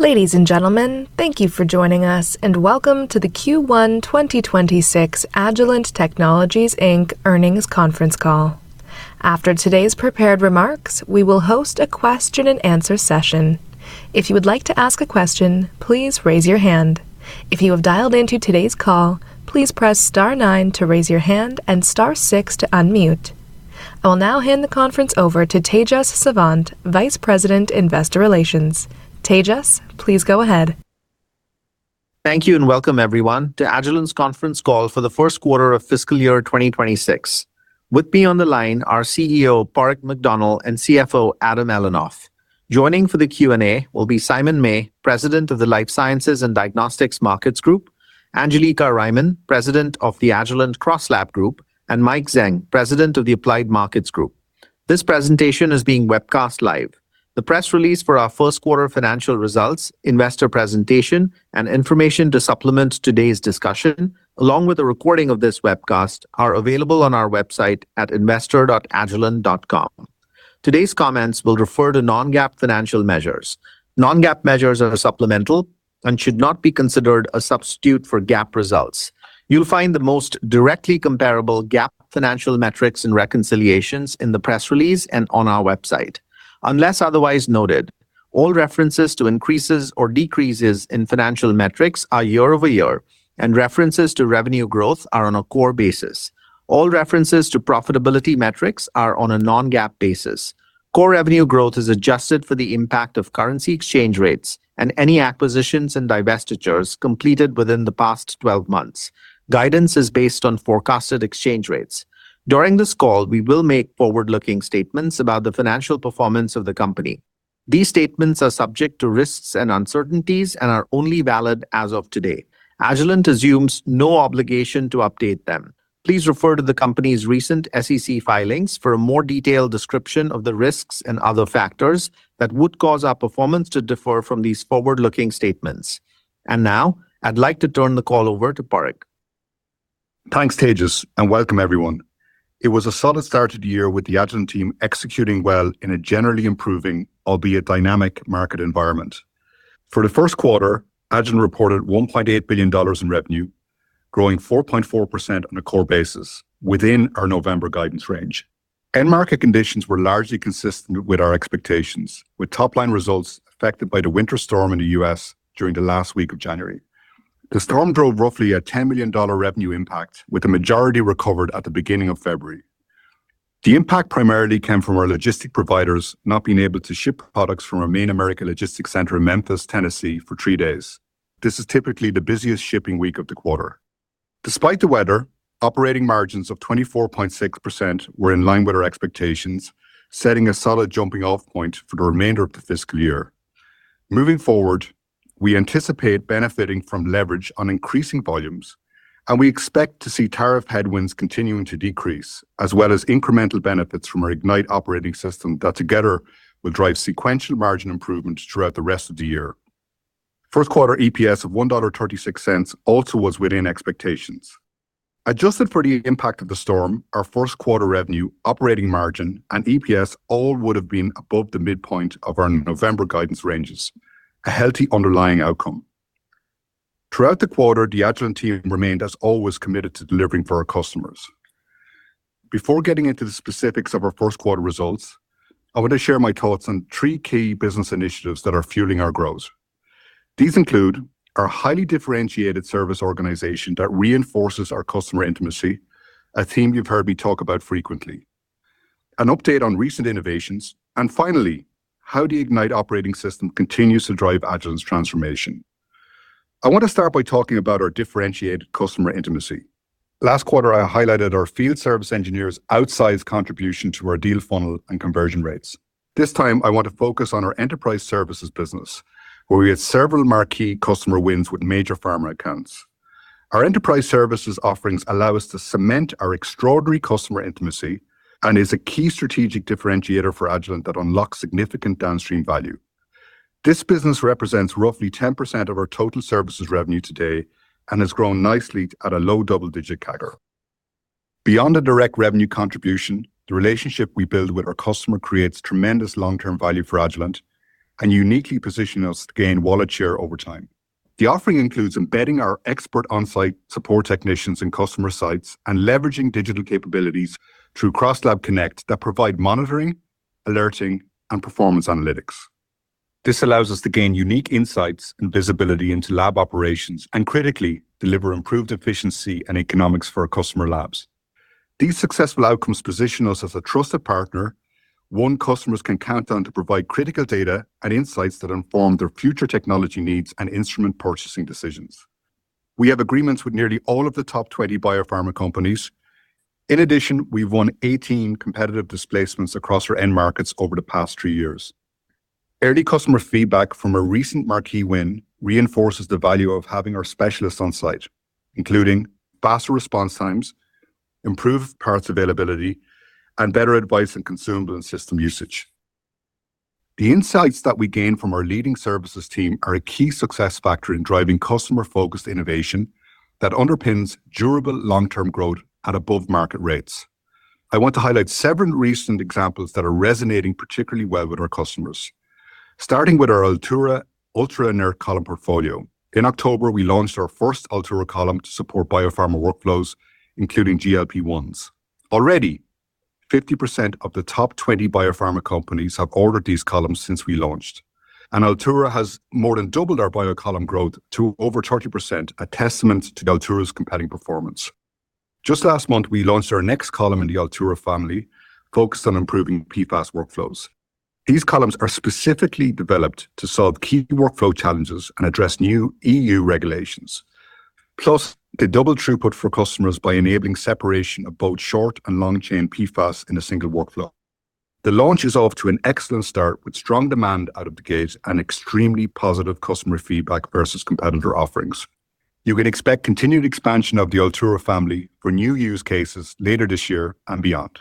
Ladies and gentlemen, thank you for joining us, and welcome to the Q1 2026 Agilent Technologies Inc. earnings conference call. After today's prepared remarks, we will host a question and answer session. If you would like to ask a question, please raise your hand. If you have dialed into today's call, please press star nine to raise your hand and star six to unmute. I will now hand the conference over to Tejas Savant, Vice President, Investor Relations. Tejas, please go ahead. Thank you, welcome everyone to Agilent's conference call for the first quarter of fiscal year 2026. With me on the line are CEO, Padraig McDonnell, and CFO, Adam S. Elinoff. Joining for the Q&A will be Simon May, President of the Life Sciences and Diagnostics Markets Group, Angelica Riemann, President of the Agilent CrossLab Group, and Mike Zhang, President of the Applied Markets Group. This presentation is being webcast live. The press release for our first quarter financial results, investor presentation, and information to supplement today's discussion, along with a recording of this webcast, are available on our website at investor.agilent.com. Today's comments will refer to non-GAAP financial measures. Non-GAAP measures are supplemental and should not be considered a substitute for GAAP results. You'll find the most directly comparable GAAP financial metrics and reconciliations in the press release and on our website. Unless otherwise noted, all references to increases or decreases in financial metrics are year-over-year, and references to revenue growth are on a core basis. All references to profitability metrics are on a non-GAAP basis. Core revenue growth is adjusted for the impact of currency exchange rates and any acquisitions and divestitures completed within the past 12 months. Guidance is based on forecasted exchange rates. During this call, we will make forward-looking statements about the financial performance of the company. These statements are subject to risks and uncertainties and are only valid as of today. Agilent assumes no obligation to update them. Please refer to the company's recent SEC filings for a more detailed description of the risks and other factors that would cause our performance to differ from these forward-looking statements. Now, I'd like to turn the call over to Parek. Thanks, Tejas, and welcome everyone. It was a solid start to the year with the Agilent team executing well in a generally improving, albeit dynamic, market environment. For the first quarter, Agilent reported $1.8 billion in revenue, growing 4.4% on a core basis within our November guidance range. End market conditions were largely consistent with our expectations, with top-line results affected by the winter storm in the US during the last week of January. The storm drove roughly a $10 million revenue impact, with the majority recovered at the beginning of February. The impact primarily came from our logistic providers not being able to ship products from our main American logistics center in Memphis, Tennessee, for three days. This is typically the busiest shipping week of the quarter. Despite the weather, operating margins of 24.6% were in line with our expectations, setting a solid jumping-off point for the remainder of the fiscal year. Moving forward, we anticipate benefiting from leverage on increasing volumes, and we expect to see tariff headwinds continuing to decrease, as well as incremental benefits from our Ignite operating system that together will drive sequential margin improvements throughout the rest of the year. First quarter EPS of $1.36 also was within expectations. Adjusted for the impact of the storm, our first quarter revenue, operating margin, and EPS all would have been above the midpoint of our November guidance ranges, a healthy underlying outcome. Throughout the quarter, the Agilent team remained, as always, committed to delivering for our customers. Before getting into the specifics of our first quarter results, I want to share my thoughts on three key business initiatives that are fueling our growth. These include our highly differentiated service organization that reinforces our customer intimacy, a theme you've heard me talk about frequently, an update on recent innovations, and finally, how the Ignite operating system continues to drive Agilent's transformation. I want to start by talking about our differentiated customer intimacy. Last quarter, I highlighted our field service engineers' outsized contribution to our deal funnel and conversion rates. This time, I want to focus on our enterprise services business, where we had several marquee customer wins with major pharma accounts. Our enterprise services offerings allow us to cement our extraordinary customer intimacy and is a key strategic differentiator for Agilent that unlocks significant downstream value. This business represents roughly 10% of our total services revenue today and has grown nicely at a low double-digit CAGR. Beyond the direct revenue contribution, the relationship we build with our customer creates tremendous long-term value for Agilent and uniquely position us to gain wallet share over time. The offering includes embedding our expert on-site support technicians in customer sites and leveraging digital capabilities through CrossLab Connect that provide monitoring, alerting, and performance analytics. This allows us to gain unique insights and visibility into lab operations and critically deliver improved efficiency and economics for our customer labs. These successful outcomes position us as a trusted partner, one customers can count on to provide critical data and insights that inform their future technology needs and instrument purchasing decisions. We have agreements with nearly all of the top 20 biopharma companies. In addition, we've won 18 competitive displacements across our end markets over the past 3 years. Early customer feedback from a recent marquee win reinforces the value of having our specialists on site, including faster response times, improved parts availability, and better advice and consumable and system usage.... The insights that we gain from our leading services team are a key success factor in driving customer-focused innovation that underpins durable long-term growth at above-market rates. I want to highlight several recent examples that are resonating particularly well with our customers. Starting with our Altura ultra-inert column portfolio. In October, we launched our first Alturas columns to support biopharma workflows, including GLP-1s. Already, 50% of the top 20 biopharma companies have ordered these columns since we launched, and Altura has more than doubled our bio column growth to over 30%, a testament to Altura's compelling performance. Just last month, we launched our next column in the Altura family, focused on improving PFAS workflows. These columns are specifically developed to solve key workflow challenges and address new EU regulations. They double throughput for customers by enabling separation of both short and long-chain PFAS in a single workflow. The launch is off to an excellent start, with strong demand out of the gate and extremely positive customer feedback versus competitor offerings. You can expect continued expansion of the Altura family for new use cases later this year and beyond.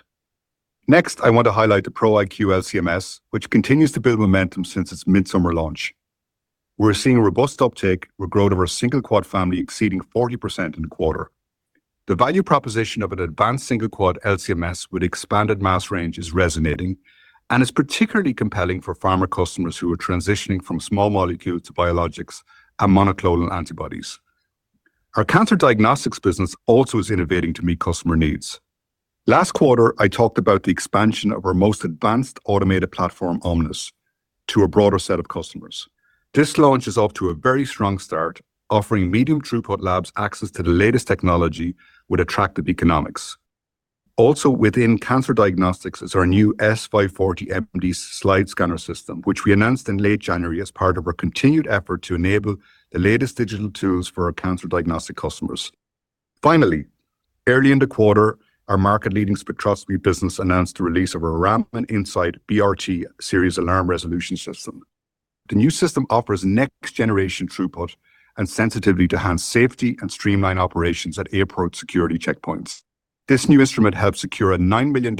Next, I want to highlight the ProIQ LC-MS, which continues to build momentum since its mid-summer launch. We're seeing a robust uptake, with growth of our single quad family exceeding 40% in the quarter. The value proposition of an advanced single quad LC-MS with expanded mass range is resonating and is particularly compelling for pharma customers who are transitioning from small molecules to biologics and monoclonal antibodies. Our cancer diagnostics business also is innovating to meet customer needs. Last quarter, I talked about the expansion of our most advanced automated platform, Omnis, to a broader set of customers. This launch is off to a very strong start, offering medium throughput labs access to the latest technology with attractive economics. Also, within cancer diagnostics is our new S540MD Slide Scanner System, which we announced in late January as part of our continued effort to enable the latest digital tools for our cancer diagnostic customers. Finally, early in the quarter, our market-leading spectroscopy business announced the release of our Rampant Insight BRT Series alarm resolution system. The new system offers next-generation throughput and sensitivity to enhance safety and streamline operations at airport security checkpoints. This new instrument helped secure a $9 million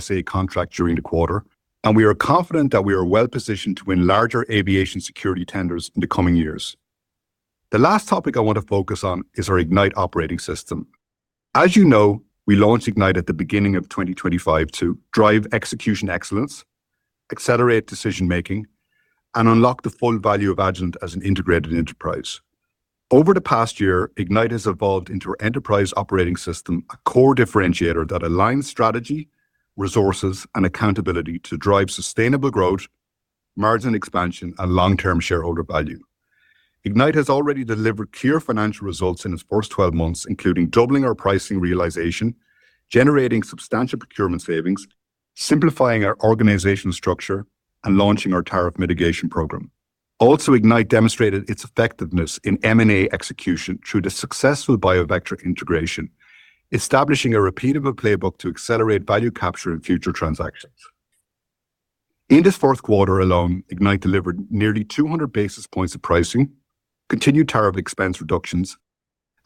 TSA contract during the quarter. We are confident that we are well positioned to win larger aviation security tenders in the coming years. The last topic I want to focus on is our Ignite operating system. As you know, we launched Ignite at the beginning of 2025 to drive execution excellence, accelerate decision-making, and unlock the full value of Agilent as an integrated enterprise. Over the past year, Ignite has evolved into our enterprise operating system, a core differentiator that aligns strategy, resources, and accountability to drive sustainable growth, margin expansion, and long-term shareholder value. Ignite has already delivered clear financial results in its first 12 months, including doubling our pricing realization, generating substantial procurement savings, simplifying our organizational structure, and launching our tariff mitigation program. Also, Ignite demonstrated its effectiveness in M&A execution through the successful BIOVECTRA integration, establishing a repeatable playbook to accelerate value capture in future transactions. In this fourth quarter alone, Ignite delivered nearly 200 basis points of pricing, continued tariff expense reductions,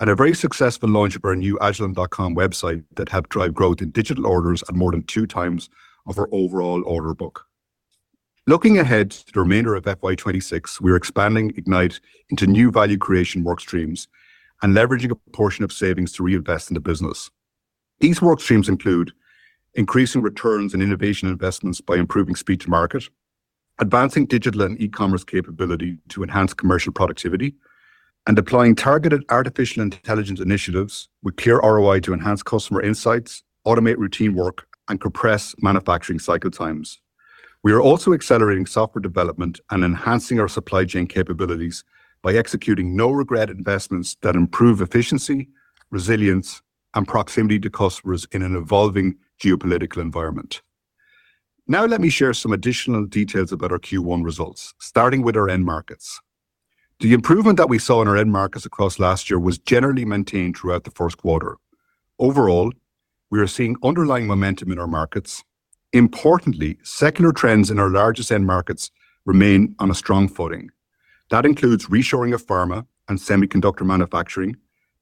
and a very successful launch of our new agilent.com website that helped drive growth in digital orders at more than 2 times of our overall order book. Looking ahead to the remainder of FY 2026, we are expanding Ignite into new value creation work streams and leveraging a portion of savings to reinvest in the business. These work streams include increasing returns and innovation investments by improving speed to market, advancing digital and e-commerce capability to enhance commercial productivity, and deploying targeted artificial intelligence initiatives with clear ROI to enhance customer insights, automate routine work, and compress manufacturing cycle times. We are also accelerating software development and enhancing our supply chain capabilities by executing no-regret investments that improve efficiency, resilience, and proximity to customers in an evolving geopolitical environment. Let me share some additional details about our Q1 results, starting with our end markets. The improvement that we saw in our end markets across last year was generally maintained throughout the first quarter. Overall, we are seeing underlying momentum in our markets. Importantly, secular trends in our largest end markets remain on a strong footing. That includes reshoring of pharma and semiconductor manufacturing,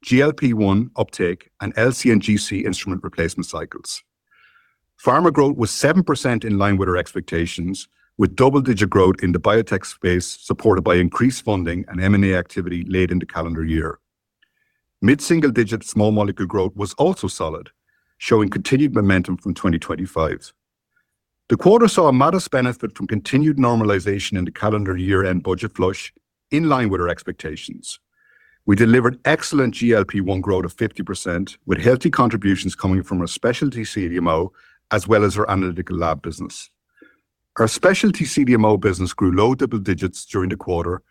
GLP-1 uptake, and LC and GC instrument replacement cycles. Pharma growth was 7% in line with our expectations, with double-digit growth in the biotech space, supported by increased funding and M&A activity late in the calendar year. Mid-single-digit small molecule growth was also solid, showing continued momentum from 2025. The quarter saw a modest benefit from continued normalization in the calendar year-end budget flush in line with our expectations. We delivered excellent GLP-1 growth of 50%, with healthy contributions coming from our specialty CDMO as well as our analytical lab business. Our specialty CDMO business grew low double digits during the quarter,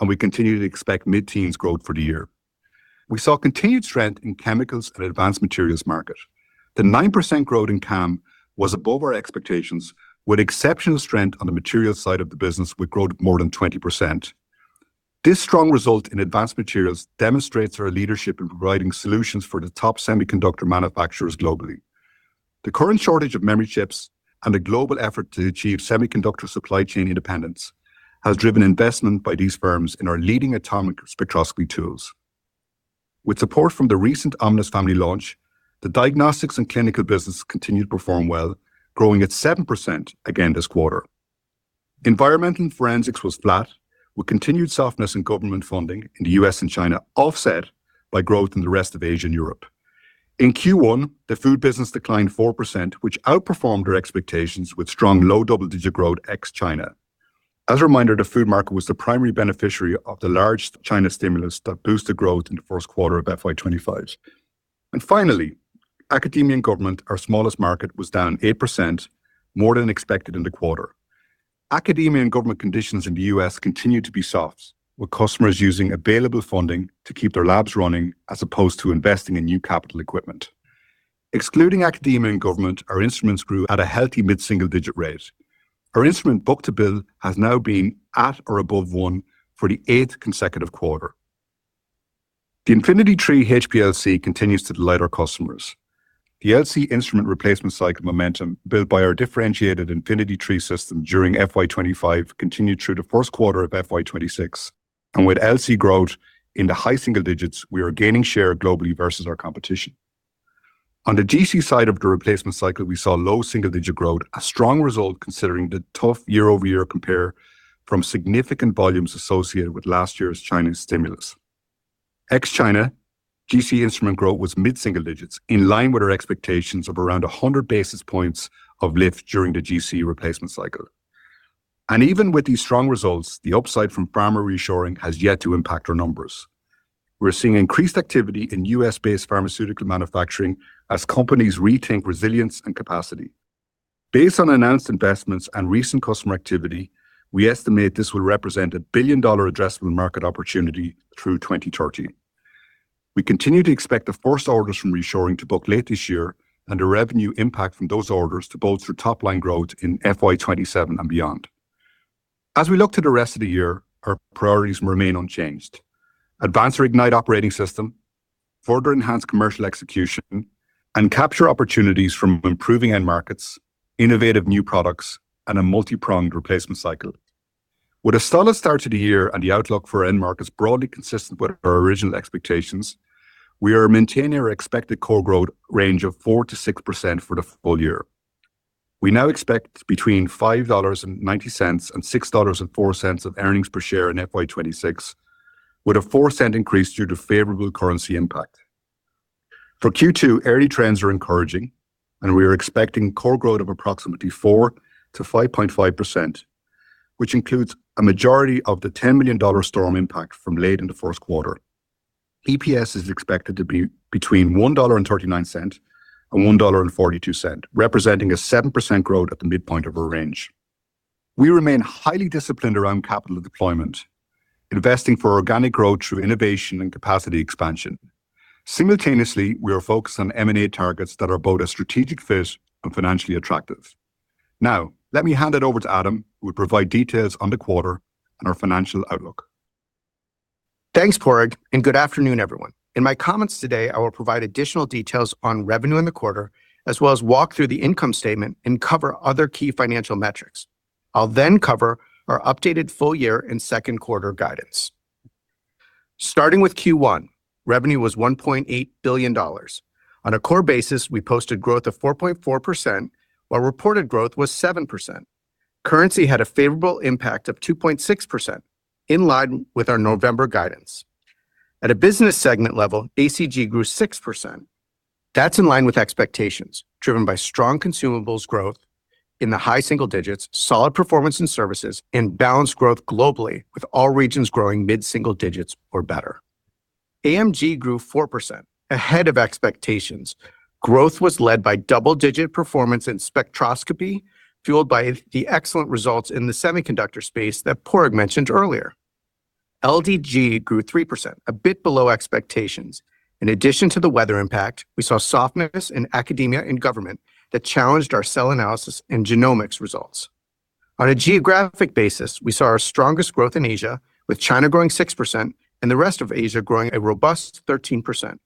and we continue to expect mid-teens growth for the year. We saw continued strength in chemicals and advanced materials market. The 9% growth in CAM was above our expectations, with exceptional strength on the materials side of the business, with growth of more than 20%. This strong result in advanced materials demonstrates our leadership in providing solutions for the top semiconductor manufacturers globally. The current shortage of memory chips and a global effort to achieve semiconductor supply chain independence has driven investment by these firms in our leading atomic spectroscopy tools. With support from the recent Omnis family launch, the diagnostics and clinical business continued to perform well, growing at 7% again this quarter. Environmental and forensics was flat, with continued softness in government funding in the U.S. and China, offset by growth in the rest of Asia and Europe. In Q1, the food business declined 4%, which outperformed our expectations with strong low double-digit growth ex-China. As a reminder, the food market was the primary beneficiary of the large China stimulus that boosted growth in the first quarter of FY 2025. Finally, academia and government, our smallest market, was down 8%, more than expected in the quarter. Academia and government conditions in the US continue to be soft, with customers using available funding to keep their labs running, as opposed to investing in new capital equipment. Excluding academia and government, our instruments grew at a healthy mid-single-digit rate. Our instrument book-to-bill has now been at or above 1 for the 8th consecutive quarter. The Infinity III HPLC continues to delight our customers. The LC instrument replacement cycle momentum, built by our differentiated Infinity III system during FY 2025, continued through the 1st quarter of FY 2026, with LC growth in the high single digits, we are gaining share globally versus our competition. On the GC side of the replacement cycle, we saw low single-digit growth, a strong result considering the tough year-over-year compare from significant volumes associated with last year's China stimulus. Ex-China, GC instrument growth was mid-single digits, in line with our expectations of around 100 basis points of lift during the GC replacement cycle. Even with these strong results, the upside from pharma reshoring has yet to impact our numbers. We're seeing increased activity in US based pharmaceutical manufacturing as companies rethink resilience and capacity. Based on announced investments and recent customer activity, we estimate this will represent a billion-dollar addressable market opportunity through 2030. We continue to expect the first orders from reshoring to book late this year and a revenue impact from those orders to bolster top-line growth in FY 2027 and beyond. As we look to the rest of the year, our priorities remain unchanged. Advance our Ignite operating system, further enhance commercial execution, and capture opportunities from improving end markets, innovative new products, and a multi-pronged replacement cycle. With a solid start to the year and the outlook for end markets broadly consistent with our original expectations, we are maintaining our expected core growth range of 4%-6% for the full year. We now expect between $5.90 and $6.04 of earnings per share in FY 2026, with a $0.04 increase due to favorable currency impact. For Q2, early trends are encouraging, and we are expecting core growth of approximately 4%-5.5%, which includes a majority of the $10 million storm impact from late in the first quarter. EPS is expected to be between $1.39 and $1.42, representing a 7% growth at the midpoint of our range. We remain highly disciplined around capital deployment, investing for organic growth through innovation and capacity expansion. Simultaneously, we are focused on M&A targets that are both a strategic fit and financially attractive. Now, let me hand it over to Adam, who will provide details on the quarter and our financial outlook. Thanks, Padraig. Good afternoon, everyone. In my comments today, I will provide additional details on revenue in the quarter, as well as walk through the income statement and cover other key financial metrics. I'll cover our updated full year and second quarter guidance. Starting with Q1, revenue was $1.8 billion. On a core basis, we posted growth of 4.4%, while reported growth was 7%. Currency had a favorable impact of 2.6%, in line with our November guidance. At a business segment level, ACG grew 6%. That's in line with expectations, driven by strong consumables growth in the high single digits, solid performance in services, and balanced growth globally, with all regions growing mid single digits or better. AMG grew 4%, ahead of expectations. Growth was led by double-digit performance in spectroscopy, fueled by the excellent results in the semiconductor space that Padraig McDonnell mentioned earlier. LDG grew 3%, a bit below expectations. In addition to the weather impact, we saw softness in academia and government that challenged our cell analysis and genomics results. On a geographic basis, we saw our strongest growth in Asia, with China growing 6% and the rest of Asia growing a robust 13%.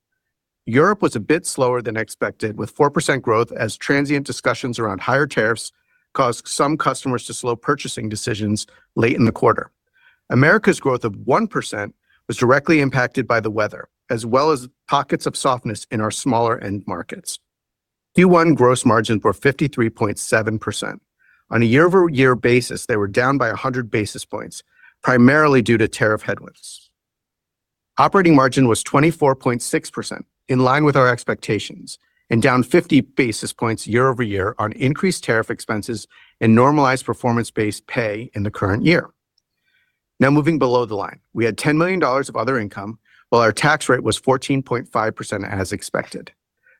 Europe was a bit slower than expected, with 4% growth, as transient discussions around higher tariffs caused some customers to slow purchasing decisions late in the quarter. America's growth of 1% was directly impacted by the weather, as well as pockets of softness in our smaller end markets. Q1 gross margins were 53.7%. On a year-over-year basis, they were down by 100 basis points, primarily due to tariff headwinds. Operating margin was 24.6%, in line with our expectations, and down 50 basis points year-over-year on increased tariff expenses and normalized performance-based pay in the current year. Moving below the line. We had $10 million of other income, while our tax rate was 14.5%, as expected.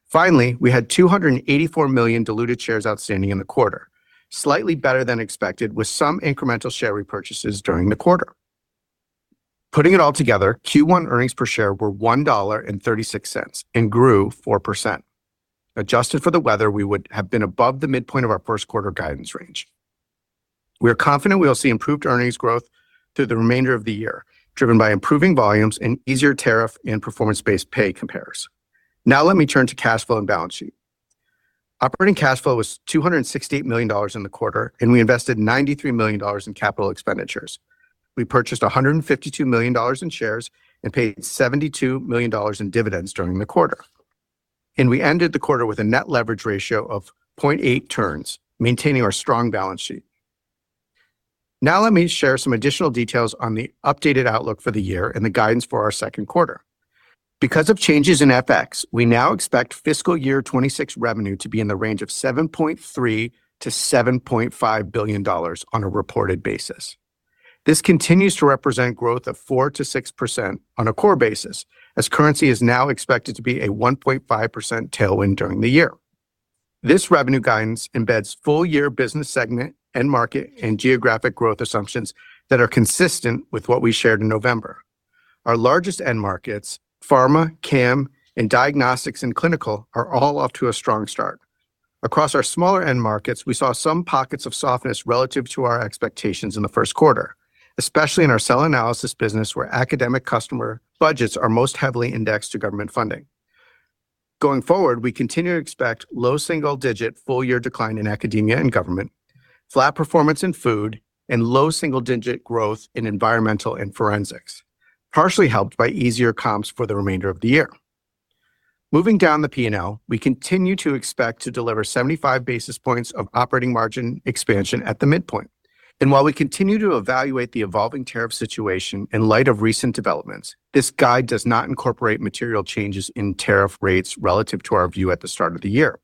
Finally, we had 284 million diluted shares outstanding in the quarter, slightly better than expected, with some incremental share repurchases during the quarter. Putting it all together, Q1 earnings per share were $1.36 and grew 4%. Adjusted for the weather, we would have been above the midpoint of our first quarter guidance range. We are confident we will see improved earnings growth through the remainder of the year, driven by improving volumes and easier tariff and performance-based pay compares. Let me turn to cash flow and balance sheet. Operating cash flow was $268 million in the quarter, we invested $93 million in CapEx. We purchased $152 million in shares and paid $72 million in dividends during the quarter. We ended the quarter with a net leverage ratio of 0.8 turns, maintaining our strong balance sheet. Let me share some additional details on the updated outlook for the year and the guidance for our second quarter. Because of changes in FX, we now expect fiscal year 2026 revenue to be in the range of $7.3 billion-$7.5 billion on a reported basis. This continues to represent growth of 4%-6% on a core basis, as currency is now expected to be a 1.5% tailwind during the year. This revenue guidance embeds full-year business segment and market and geographic growth assumptions that are consistent with what we shared in November. Our largest end markets, pharma, CAM, and diagnostics and clinical, are all off to a strong start. Across our smaller end markets, we saw some pockets of softness relative to our expectations in the 1st quarter, especially in our cell analysis business, where academic customer budgets are most heavily indexed to government funding. Going forward, we continue to expect low single-digit full-year decline in academia and government, flat performance in food, and low single-digit growth in environmental and forensics, partially helped by easier comps for the remainder of the year. Moving down the P&L, we continue to expect to deliver 75 basis points of operating margin expansion at the midpoint. While we continue to evaluate the evolving tariff situation in light of recent developments, this guide does not incorporate material changes in tariff rates relative to our view at the start of the year.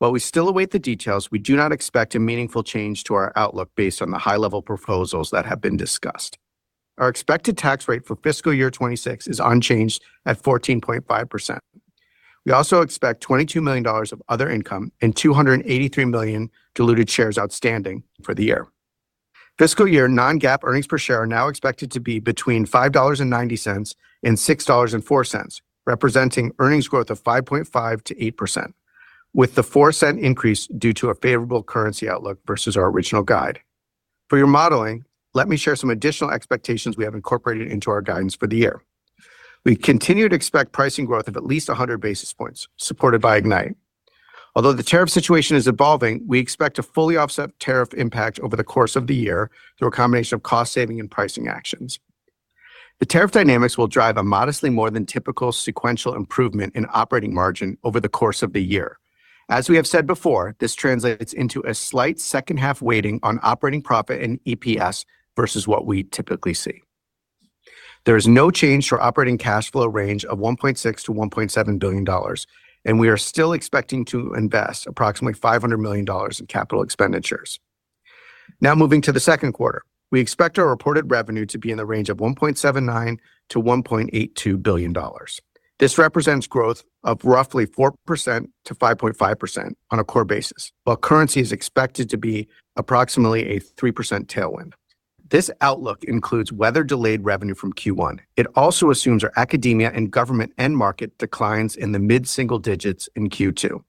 While we still await the details, we do not expect a meaningful change to our outlook based on the high-level proposals that have been discussed. Our expected tax rate for fiscal year 2026 is unchanged at 14.5%. We also expect $22 million of other income and 283 million diluted shares outstanding for the year. Fiscal year non-GAAP earnings per share are now expected to be between $5.90 and $6.04, representing earnings growth of 5.5%-8%, with the $0.04 increase due to a favorable currency outlook versus our original guide. For your modeling, let me share some additional expectations we have incorporated into our guidance for the year. We continue to expect pricing growth of at least 100 basis points, supported by Ignite. The tariff situation is evolving, we expect to fully offset tariff impact over the course of the year through a combination of cost saving and pricing actions. The tariff dynamics will drive a modestly more than typical sequential improvement in operating margin over the course of the year. As we have said before, this translates into a slight second half weighting on operating profit and EPS versus what we typically see. There is no change to our operating cash flow range of $1.6 billion-$1.7 billion, and we are still expecting to invest approximately $500 million in CapEx. Now, moving to the second quarter. We expect our reported revenue to be in the range of $1.79 billion-$1.82 billion. This represents growth of roughly 4%-5.5% on a core basis, while currency is expected to be approximately a 3% tailwind. This outlook includes weather-delayed revenue from Q1. It also assumes our academia and government end market declines in the mid-single digits in Q2.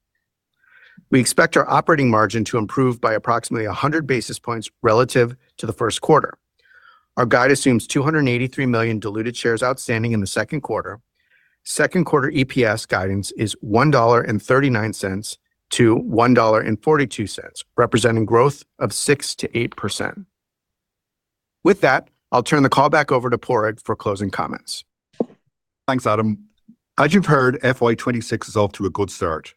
We expect our operating margin to improve by approximately 100 basis points relative to the first quarter. Our guide assumes 283 million diluted shares outstanding in the second quarter. Second quarter EPS guidance is $1.39-$1.42, representing growth of 6%-8%. With that, I'll turn the call back over to Padraig for closing comments. Thanks, Adam. As you've heard, FY 26 is off to a good start.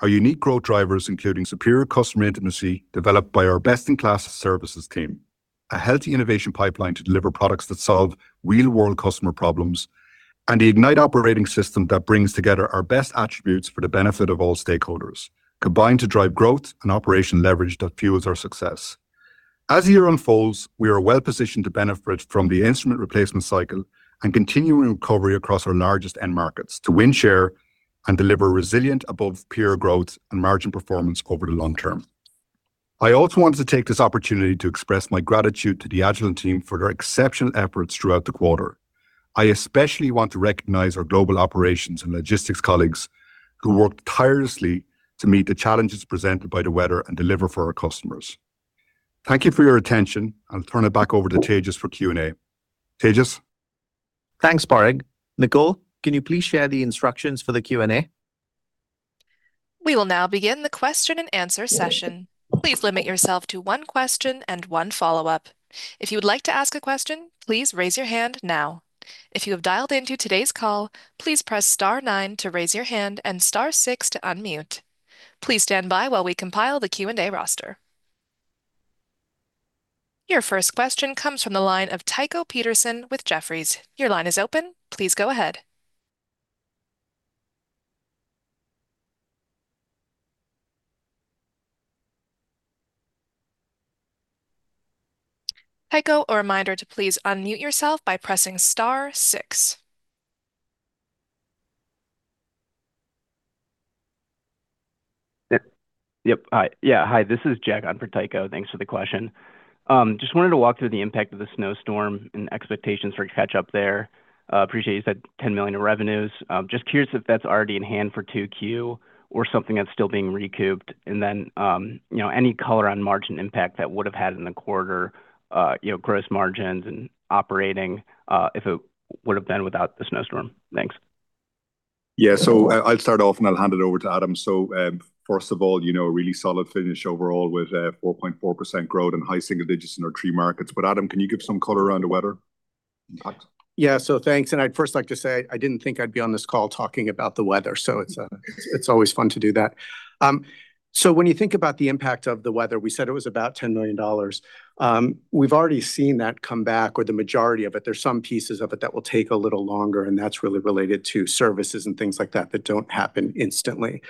Our unique growth drivers, including superior customer intimacy, developed by our best-in-class services team, a healthy innovation pipeline to deliver products that solve real-world customer problems, and the Ignite operating system that brings together our best attributes for the benefit of all stakeholders, combine to drive growth and operational leverage that fuels our success. As the year unfolds, we are well positioned to benefit from the instrument replacement cycle and continuing recovery across our largest end markets to win share and deliver resilient, above peer growth and margin performance over the long term. I also wanted to take this opportunity to express my gratitude to the Agilent team for their exceptional efforts throughout the quarter. I especially want to recognize our global operations and logistics colleagues, who worked tirelessly to meet the challenges presented by the weather and deliver for our customers. Thank you for your attention, and I'll turn it back over to Tejas for Q&A. Tejas? Thanks, Padraig. Nicole, can you please share the instructions for the Q&A? We will now begin the question and answer session. Please limit yourself to one question and one follow-up. If you would like to ask a question, please raise your hand now. If you have dialed into today's call, please press star nine to raise your hand and star six to unmute. Please stand by while we compile the Q&A roster. Your first question comes from the line of Tycho Peterson with Jefferies. Your line is open. Please go ahead. Tycho, a reminder to please unmute yourself by pressing star six. Yep. Hi. Yeah, hi, this is Jack on for Tycho. Thanks for the question. Just wanted to walk through the impact of the snowstorm and expectations for catch-up there. Appreciate you said $10 million in revenues. Just curious if that's already in hand for 2Q or something that's still being recouped. Any color on margin impact that would have had in the quarter, you know, gross margins and operating, if it would have been without the snowstorm. Thanks. Yeah, I'll start off, and I'll hand it over to Adam. First of all, you know, a really solid finish overall with 4.4% growth and high single digits in our three markets. Adam, can you give some color around the weather impact? Yeah, thanks. I'd first like to say, I didn't think I'd be on this call talking about the weather, it's always fun to do that. When you think about the impact of the weather, we said it was about $10 million. We've already seen that come back, or the majority of it. There's some pieces of it that will take a little longer, and that's really related to services and things like that don't happen instantly.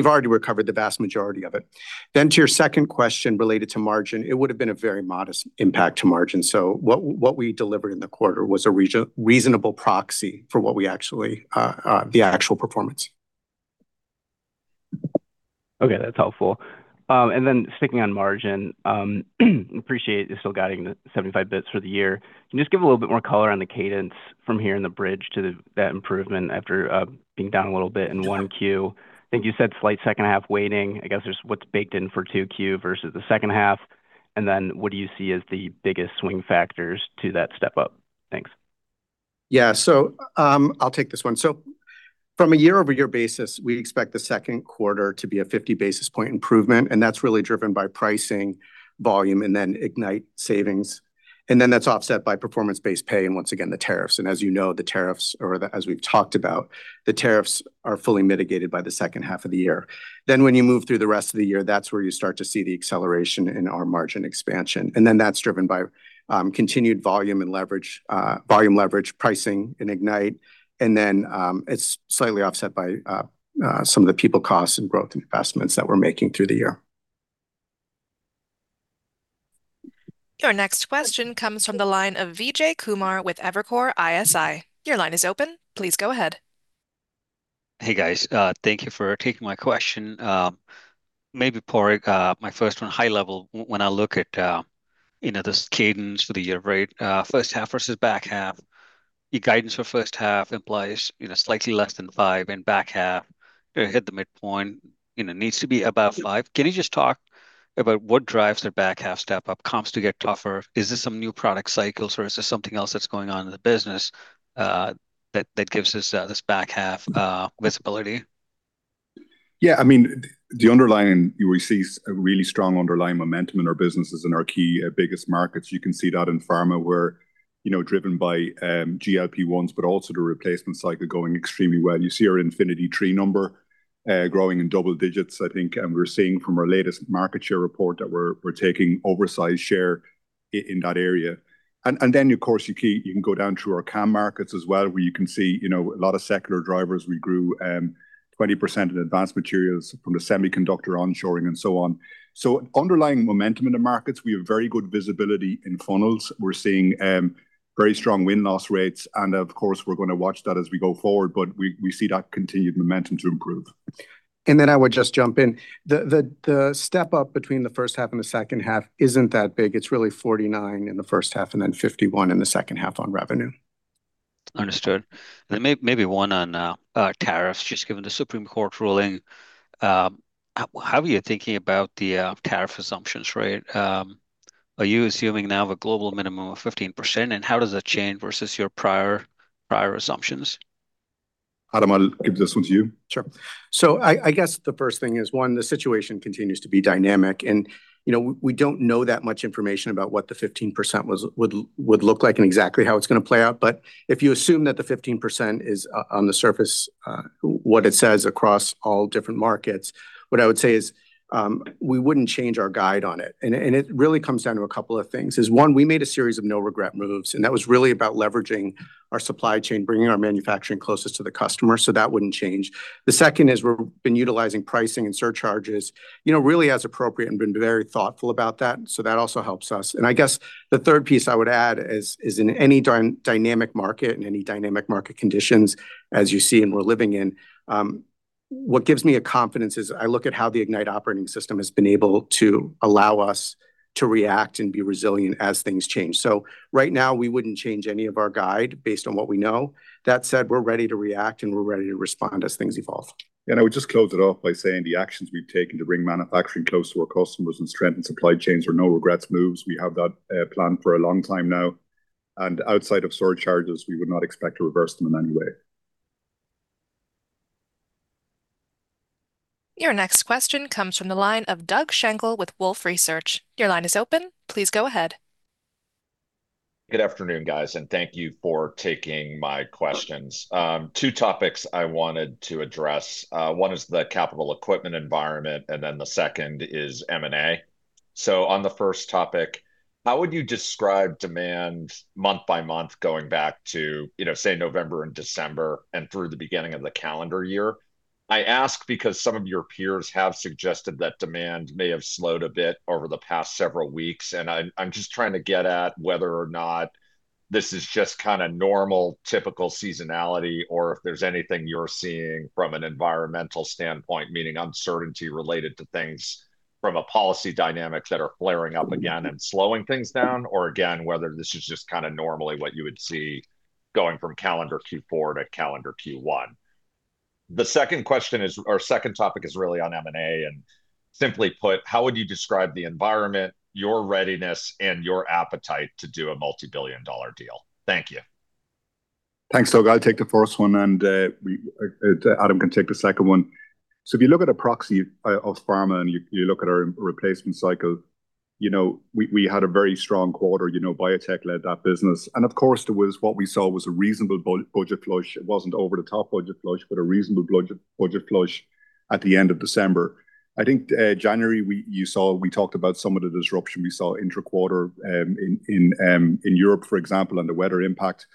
We've already recovered the vast majority of it. To your second question related to margin, it would've been a very modest impact to margin. What we delivered in the quarter was a reasonable proxy for what we actually, the actual performance. Okay, that's helpful. Sticking on margin, appreciate you still guiding the 75 basis points for the year. Can you just give a little bit more color on the cadence from here in the bridge to that improvement after being down a little bit in 1Q? I think you said slight second half waiting. I guess, just what's baked in for 2Q versus the second half, and then what do you see as the biggest swing factors to that step up? Thanks. I'll take this one. From a year-over-year basis, we expect the second quarter to be a 50 basis point improvement, that's really driven by pricing, volume, and Ignite savings. That's offset by performance-based pay, and once again, the tariffs. As you know, the tariffs, as we've talked about, the tariffs are fully mitigated by the second half of the year. When you move through the rest of the year, that's where you start to see the acceleration in our margin expansion. That's driven by continued volume and leverage, volume leverage, pricing, and Ignite, it's slightly offset by some of the people costs and growth investments that we're making through the year. Your next question comes from the line of Vijay Kumar with Evercore ISI. Your line is open. Please go ahead. Hey, guys. Thank you for taking my question. Maybe Padraig, my first one, high level, when I look at, you know, this cadence for the year, right, first half versus back half, your guidance for first half implies, you know, slightly less than 5, and back half, hit the midpoint. You know, needs to be above 5. Can you just talk about what drives the back half step-up comps to get tougher? Is this some new product cycles, or is this something else that's going on in the business that gives us this back half visibility? Yeah, I mean, the underlying, you receive a really strong underlying momentum in our businesses, in our key, biggest markets. You can see that in pharma, where, you know, driven by GLP-1s, but also the replacement cycle going extremely well. You see our InfinityLab number growing in double digits, I think, and we're seeing from our latest market share report that we're taking oversized share in that area. Then, of course, you can go down through our CAM markets as well, where you can see, you know, a lot of secular drivers. We grew 20% in advanced materials from the semiconductor onshoring and so on. Underlying momentum in the markets, we have very good visibility in funnels. We're seeing very strong win-loss rates, and of course, we're gonna watch that as we go forward, but we see that continued momentum to improve. I would just jump in. The step up between the first half and the second half isn't that big. It's really 49 in the first half and then 51 in the second half on revenue. Understood. Maybe one on tariffs, just given the Supreme Court ruling. How are you thinking about the tariff assumptions, right? Are you assuming now of a global minimum of 15%, and how does that change versus your prior assumptions? Adam, I'll give this one to you. Sure. I guess the first thing is, one, the situation continues to be dynamic. You know, we don't know that much information about what the 15% was, would look like and exactly how it's gonna play out. If you assume that the 15% is on the surface, what it says across all different markets, what I would say is, we wouldn't change our guide on it. It really comes down to a couple of things. Is one, we made a series of no-regret moves, and that was really about leveraging our supply chain, bringing our manufacturing closest to the customer, so that wouldn't change. The second is, we've been utilizing pricing and surcharges, you know, really as appropriate and been very thoughtful about that, so that also helps us. I guess the third piece I would add is in any dynamic market, in any dynamic market conditions, as you see and we're living in, what gives me a confidence is I look at how the Ignite operating system has been able to allow us to react and be resilient as things change. Right now, we wouldn't change any of our guide based on what we know. That said, we're ready to react, and we're ready to respond as things evolve. I would just close it off by saying the actions we've taken to bring manufacturing close to our customers and strengthen supply chains are no-regrets moves. We have that planned for a long time now. Outside of surcharges, we would not expect to reverse them in any way. Your next question comes from the line of Doug Schenkel with Wolfe Research. Your line is open. Please go ahead. Good afternoon, guys, and thank you for taking my questions. Two topics I wanted to address. One is the capital equipment environment, and then the second is M&A. On the first topic, how would you describe demand month by month, going back to, you know, say, November and December, and through the beginning of the calendar year? I ask because some of your peers have suggested that demand may have slowed a bit over the past several weeks, and I'm just trying to get at whether or not this is just kinda normal, typical seasonality, or if there's anything you're seeing from an environmental standpoint, meaning uncertainty related to things from a policy dynamics that are flaring up again and slowing things down, or again, whether this is just kinda normally what you would see going from calendar Q4 to calendar Q1. The second question is, or second topic, is really on M&A. Simply put, how would you describe the environment, your readiness, and your appetite to do a multi-billion dollar deal? Thank you. Thanks, Doug Schenkel. I'll take the first one. Adam S. Elinoff can take the second one. If you look at a proxy of pharma, you look at our replacement cycle, you know, we had a very strong quarter. You know, biotech led that business. Of course, what we saw was a reasonable budget flush. It wasn't over-the-top budget flush, but a reasonable budget flush at the end of December. I think, January, you saw we talked about some of the disruption we saw intra-quarter, in Europe, for example, and the weather impact.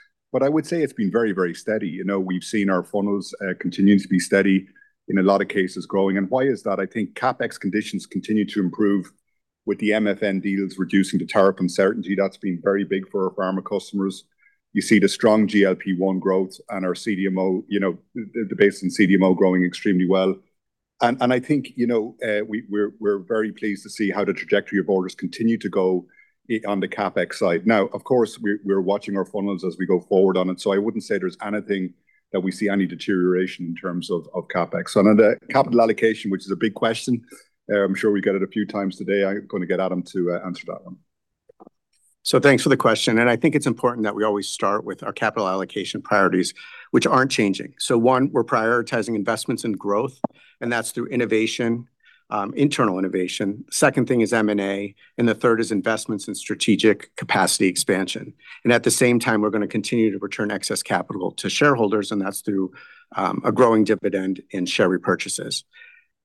I would say it's been very steady. You know, we've seen our funnels continuing to be steady, in a lot of cases, growing. Why is that? I think CapEx conditions continue to improve with the MFN deals, reducing the tariff uncertainty. That's been very big for our pharma customers. You see the strong GLP-1 growth and our CDMO, you know, the base in CDMO growing extremely well. I think, you know, we're very pleased to see how the trajectory of orders continue to go on the CapEx side. Now, of course, we're watching our funnels as we go forward on it, so I wouldn't say there's anything that we see any deterioration in terms of CapEx. The capital allocation, which is a big question, I'm sure we'll get it a few times today. I'm gonna get Adam to answer that one. Thanks for the question, and I think it's important that we always start with our capital allocation priorities, which aren't changing. One, we're prioritizing investments and growth, and that's through innovation, internal innovation. Second thing is M&A, and the third is investments in strategic capacity expansion. At the same time, we're gonna continue to return excess capital to shareholders, and that's through a growing dividend in share repurchases.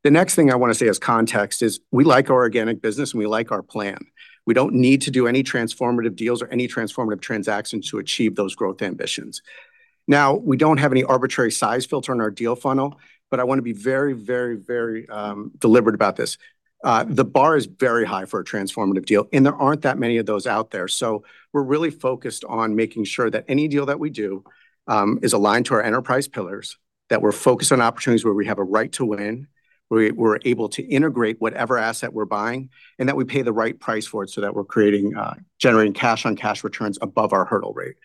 The next thing I wanna say as context is we like our organic business, and we like our plan. We don't need to do any transformative deals or any transformative transactions to achieve those growth ambitions. Now, we don't have any arbitrary size filter in our deal funnel, but I wanna be very, very, very deliberate about this. The bar is very high for a transformative deal, there aren't that many of those out there. We're really focused on making sure that any deal that we do, is aligned to our enterprise pillars, that we're focused on opportunities where we have a right to win, where we're able to integrate whatever asset we're buying, and that we pay the right price for it so that we're creating generating cash on cash returns above our hurdle rate.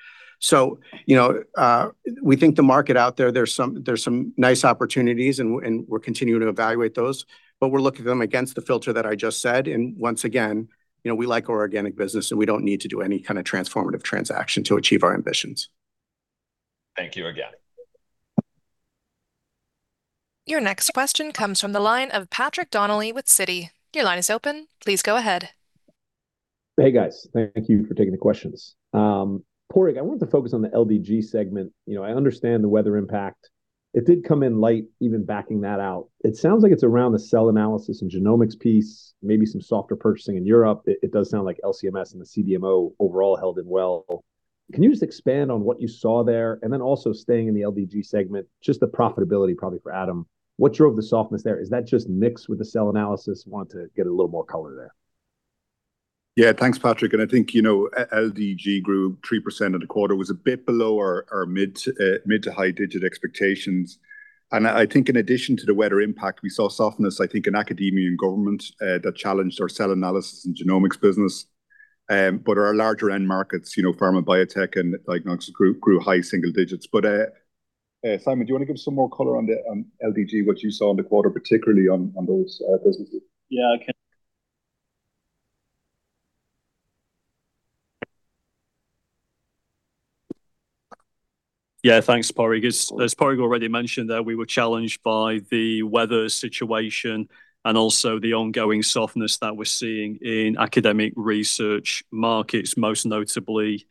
You know, we think the market out there's some nice opportunities, and we're continuing to evaluate those, but we're looking at them against the filter that I just said. You know, we like our organic business, and we don't need to do any kind of transformative transaction to achieve our ambitions. Thank you again. Your next question comes from the line of Patrick Donnelly with Citi. Your line is open. Please go ahead. Hey, guys. Thank you for taking the questions. Padraig, I wanted to focus on the LDG segment. You know, I understand the weather impact. It did come in light, even backing that out. It sounds like it's around the cell analysis and genomics piece, maybe some softer purchasing in Europe. It does sound like LC-MS and the CDMO overall held in well. Can you just expand on what you saw there? Also staying in the LDG segment, just the profitability probably for Adam. What drove the softness there? Is that just mixed with the cell analysis? Wanted to get a little more color there. Yeah, thanks, Patrick. I think, you know, LDG grew 3% of the quarter, was a bit below our mid to mid to high-digit expectations. I think in addition to the weather impact, we saw softness, I think, in academia and government that challenged our cell analysis and genomics business. Our larger end markets, you know, pharma, biotech, and diagnostics group grew high single digits. Simon, do you wanna give some more color on the LDG, what you saw in the quarter, particularly on those businesses? Yeah, thanks, Padraig. As Padraig already mentioned, that we were challenged by the weather situation and also the ongoing softness that we're seeing in academic research markets, most notably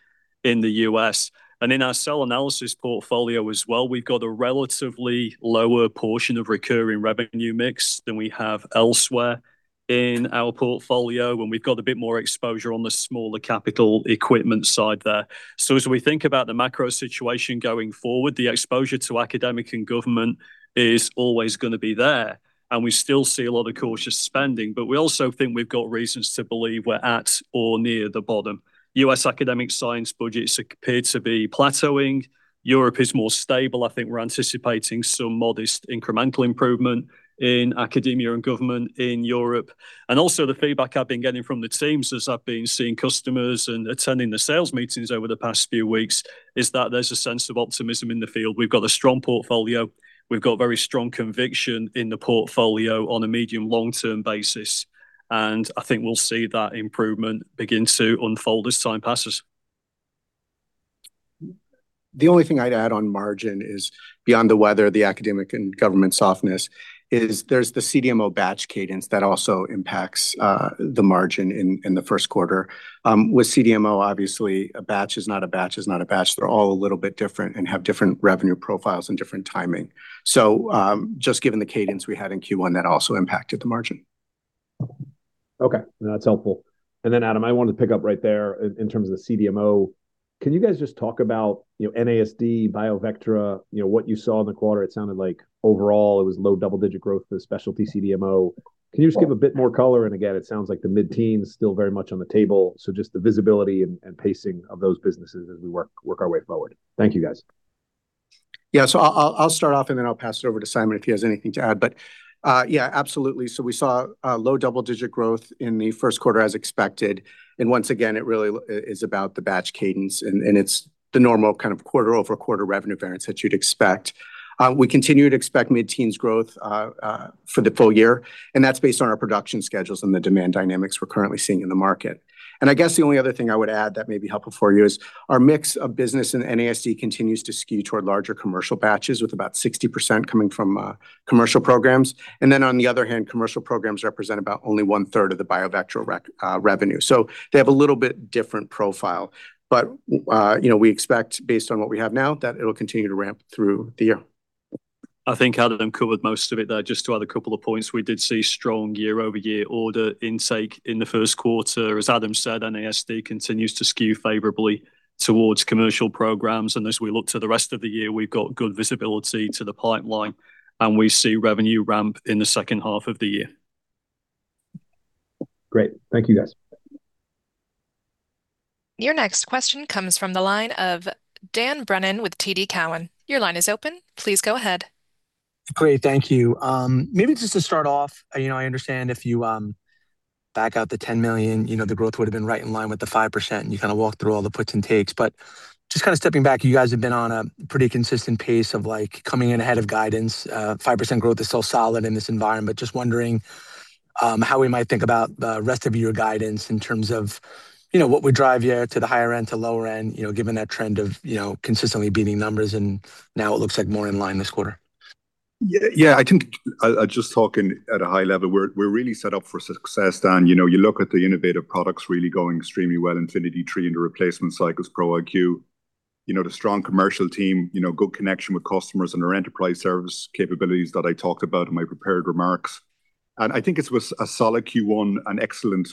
in the US. In our cell analysis portfolio as well, we've got a relatively lower portion of recurring revenue mix than we have elsewhere in our portfolio, and we've got a bit more exposure on the smaller capital equipment side there. As we think about the macro situation going forward, the exposure to academic and government is always gonna be there, and we still see a lot of cautious spending. We also think we've got reasons to believe we're at or near the bottom. US academic science budgets appear to be plateauing. Europe is more stable. I think we're anticipating some modest incremental improvement in academia and government in Europe. Also the feedback I've been getting from the teams, as I've been seeing customers and attending the sales meetings over the past few weeks, is that there's a sense of optimism in the field. We've got a strong portfolio. We've got very strong conviction in the portfolio on a medium, long-term basis, and I think we'll see that improvement begin to unfold as time passes. The only thing I'd add on margin is, beyond the weather, the academic and government softness, is there's the CDMO batch cadence that also impacts the margin in the first quarter. With CDMO, obviously, a batch is not a batch, is not a batch. They're all a little bit different and have different revenue profiles and different timing. Just given the cadence we had in Q1, that also impacted the margin. Okay, that's helpful. Adam, I wanted to pick up right there in terms of the CDMO. Can you guys just talk about, you know, NASD, BIOVECTRA, you know, what you saw in the quarter? It sounded like overall it was low double-digit growth for the specialty CDMO. Can you just give a bit more color? Again, it sounds like the mid-teen is still very much on the table, so just the visibility and pacing of those businesses as we work our way forward. Thank you, guys. Yeah, I'll start off, and then I'll pass it over to Simon if he has anything to add. Yeah, absolutely. We saw low double-digit growth in the first quarter, as expected, and once again, it really is about the batch cadence, and it's the normal kind of quarter-over-quarter revenue variance that you'd expect. We continue to expect mid-teens growth for the full year, and that's based on our production schedules and the demand dynamics we're currently seeing in the market. I guess the only other thing I would add that may be helpful for you is our mix of business in NASD continues to skew toward larger commercial batches, with about 60% coming from commercial programs. On the other hand, commercial programs represent about only one-third of the BIOVECTRA revenue. They have a little bit different profile, but you know, we expect, based on what we have now, that it'll continue to ramp through the year. I think Adam covered most of it there. Just to add a couple of points, we did see strong year-over-year order intake in the first quarter. As Adam said, NASD continues to skew favorably towards commercial programs, and as we look to the rest of the year, we've got good visibility to the pipeline, and we see revenue ramp in the second half of the year. Great. Thank you, guys. Your next question comes from the line of Dan Brennan with TD Cowen. Your line is open. Please go ahead. Great, thank you. Maybe just to start off, you know, I understand if you back out the $10 million, you know, the growth would've been right in line with the 5%, and you kind of walk through all the puts and takes. Just kind of stepping back, you guys have been on a pretty consistent pace of, like, coming in ahead of guidance. 5% growth is still solid in this environment. Just wondering, how we might think about the rest of your guidance in terms of, you know, what would drive you to the higher end, to lower end, you know, given that trend of, you know, consistently beating numbers, and now it looks like more in line this quarter? Yeah, yeah, I think, I just talking at a high level, we're really set up for success, Dan. You know, you look at the innovative products really going extremely well, Infinity III and the replacement cycles, InfinityLab Pro iQ. You know, the strong commercial team, you know, good connection with customers and our enterprise service capabilities that I talked about in my prepared remarks. I think it was a solid Q1, an excellent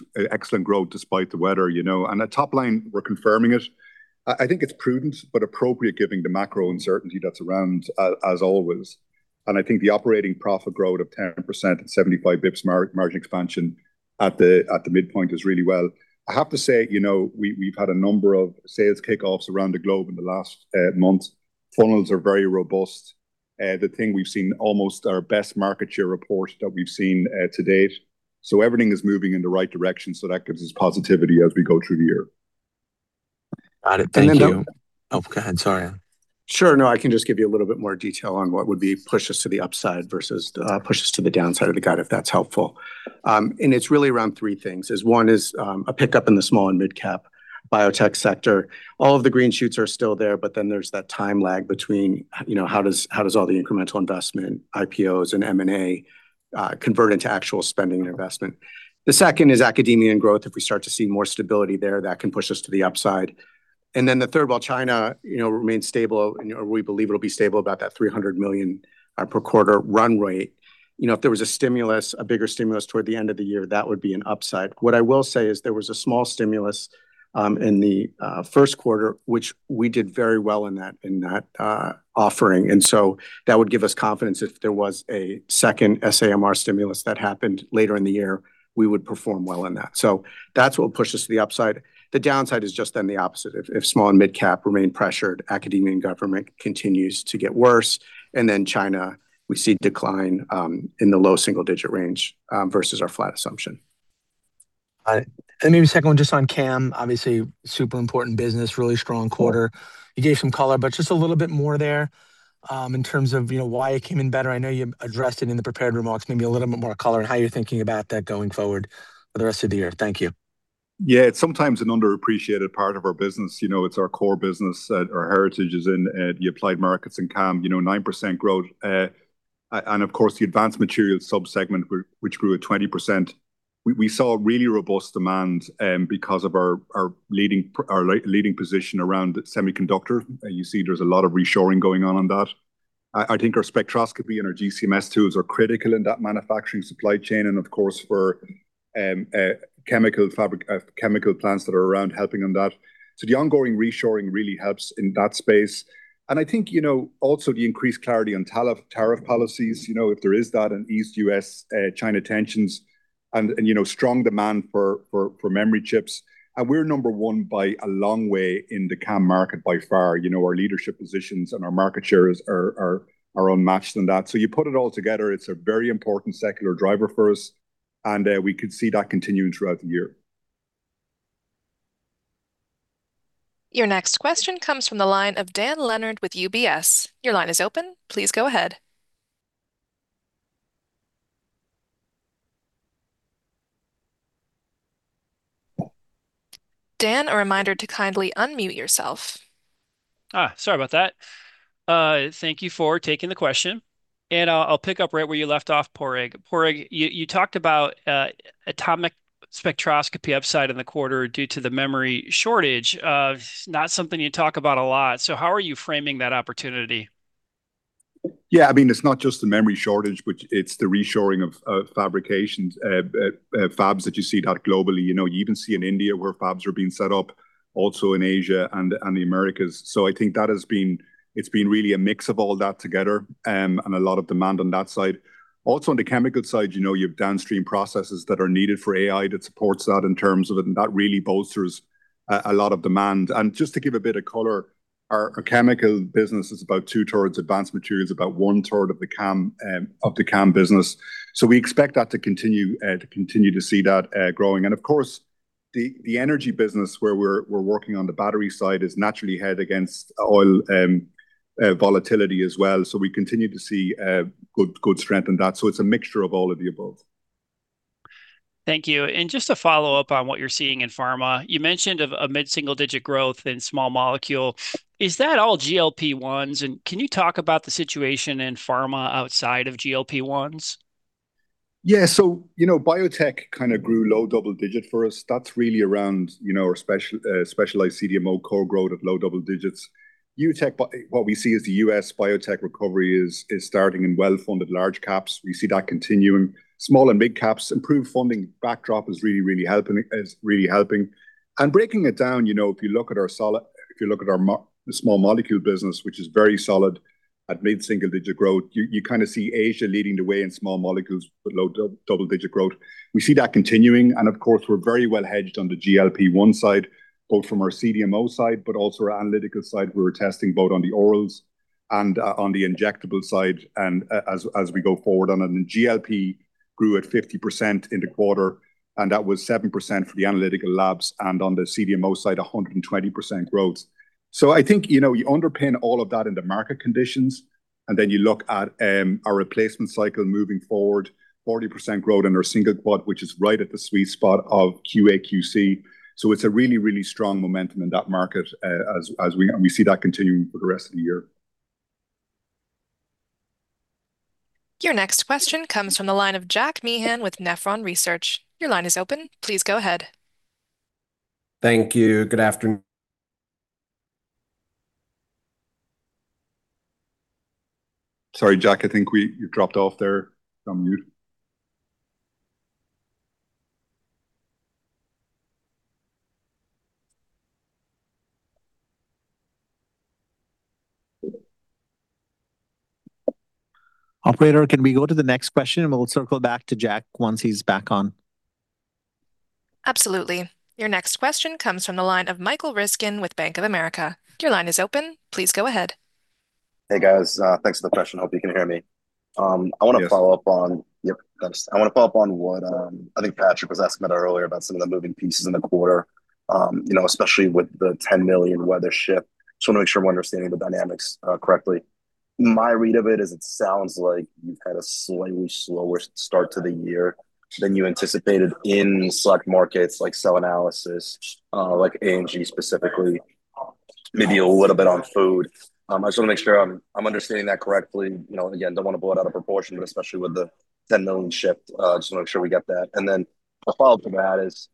growth despite the weather, you know, and at top line, we're confirming it. I think it's prudent but appropriate, given the macro uncertainty that's around as always, and I think the operating profit growth of 10% and 75 basis points margin expansion at the midpoint is really well. I have to say, you know, we've had a number of sales kick-offs around the globe in the last month. Funnels are very robust. The thing we've seen almost our best market share report that we've seen to date, so everything is moving in the right direction, so that gives us positivity as we go through the year. Got it. Thank you. And then the- Oh, go ahead. Sorry. Sure, no, I can just give you a little bit more detail on what would be push us to the upside versus the push us to the downside of the guide, if that's helpful. It's really around three things, is one is a pickup in the small and midcap biotech sector. All of the green shoots are still there's that time lag between, you know, how does all the incremental investment, IPOs, and M&A convert into actual spending and investment? The second is academia and growth. If we start to see more stability there, that can push us to the upside. The third, while China, you know, remains stable, and, you know, we believe it'll be stable, about that $300 million per quarter run rate. You know, if there was a stimulus, a bigger stimulus toward the end of the year, that would be an upside. What I will say is there was a small stimulus, in the first quarter, which we did very well in that offering. That would give us confidence if there was a second SAMR stimulus that happened later in the year, we would perform well in that. That's what pushes the upside. The downside is just then the opposite. If small and midcap remain pressured, academia and government continues to get worse. China, we see decline, in the low single-digit range, versus our flat assumption. maybe second one, just on CAM, obviously, super important business, really strong quarter. You gave some color, but just a little bit more there, in terms of, you know, why it came in better. I know you addressed it in the prepared remarks, maybe a little bit more color on how you're thinking about that going forward for the rest of the year. Thank you. Yeah, it's sometimes an underappreciated part of our business. You know, it's our core business. Our heritage is in the applied markets in CAM. You know, 9% growth, and of course, the advanced materials subsegment, which grew at 20%. We saw really robust demand because of our leading position around semiconductor, and you see there's a lot of reshoring going on that. I think our spectroscopy and our GC-MS tools are critical in that manufacturing supply chain and, of course, for chemical plants that are around helping on that. The ongoing reshoring really helps in that space. I think, you know, also the increased clarity on tariff policies, you know, if there is that an East US, China tensions and, you know, strong demand for memory chips, and we're number one by a long way in the CAM market by far. You know, our leadership positions and our market shares are unmatched in that. You put it all together, it's a very important secular driver for us, and we could see that continuing throughout the year. Your next question comes from the line of Dan Leonard with UBS. Your line is open. Please go ahead. Dan, a reminder to kindly unmute yourself. Sorry about that. Thank you for taking the question, and I'll pick up right where you left off, Padraig. Padraig, you talked about atomic spectroscopy upside in the quarter due to the memory shortage. Not something you talk about a lot, so how are you framing that opportunity? Yeah, I mean, it's not just the memory shortage, but it's the reshoring of fabrications, fabs that you see that globally. You know, you even see in India, where fabs are being set up, also in Asia and the Americas. I think it's been really a mix of all that together, and a lot of demand on that side. Also, on the chemical side, you know, you have downstream processes that are needed for AI that supports that in terms of a lot of demand. Just to give a bit of color, our chemical business is about two-thirds advanced materials, about one-third of the CAM of the CAM business. We expect that to continue to see that growing. Of course, the energy business, where we're working on the battery side, is naturally hedged against oil volatility as well. We continue to see good strength in that. It's a mixture of all of the above. Thank you. Just to follow up on what you're seeing in pharma, you mentioned of a mid-single-digit growth in small molecule. Is that all GLP-1s? Can you talk about the situation in pharma outside of GLP-1s? You know, biotech kind of grew low double-digit for us. That's really around, you know, our specialized CDMO core growth at low double digits. UTech, but what we see is the US biotech recovery is starting in well-funded large caps. We see that continuing. Small and mid caps, improved funding backdrop is really helping. Breaking it down, you know, if you look at our small molecule business, which is very solid, at mid-single-digit growth, you kind of see Asia leading the way in small molecules with low double-digit growth. We see that continuing, and of course, we're very well hedged on the GLP-1 side, both from our CDMO side, but also our analytical side. We were testing both on the orals and on the injectable side, and as we go forward. GLP grew at 50% in the quarter, that was 7% for the analytical labs, on the CDMO side, 120% growth. I think, you know, you underpin all of that in the market conditions, then you look at our replacement cycle moving forward, 40% growth in our single quad, which is right at the sweet spot of QA/QC. It's a really, really strong momentum in that market, as we see that continuing for the rest of the year. Your next question comes from the line of Jack Meehan with Nephron Research. Your line is open. Please go ahead. Thank you. Good afternoon. Sorry, Jack, I think you dropped off there on mute. Operator, can we go to the next question, and we'll circle back to Jack once he's back on? Absolutely. Your next question comes from the line of Michael Ryskin with Bank of America. Your line is open. Please go ahead. Hey, guys, thanks for the question. Hope you can hear me. Yes follow up on. Yep, thanks. I want to follow up on what I think Patrick was asking about earlier, about some of the moving pieces in the quarter, you know, especially with the $10 million weather shift. Just want to make sure we're understanding the dynamics correctly. My read of it is it sounds like you've had a slightly slower start to the year than you anticipated in select markets, like cell analysis, like AMG specifically, maybe a little bit on food. I just want to make sure I'm understanding that correctly. You know, again, don't want to blow it out of proportion, but especially with the $10 million shift, just want to make sure we get that. A follow-up to that is,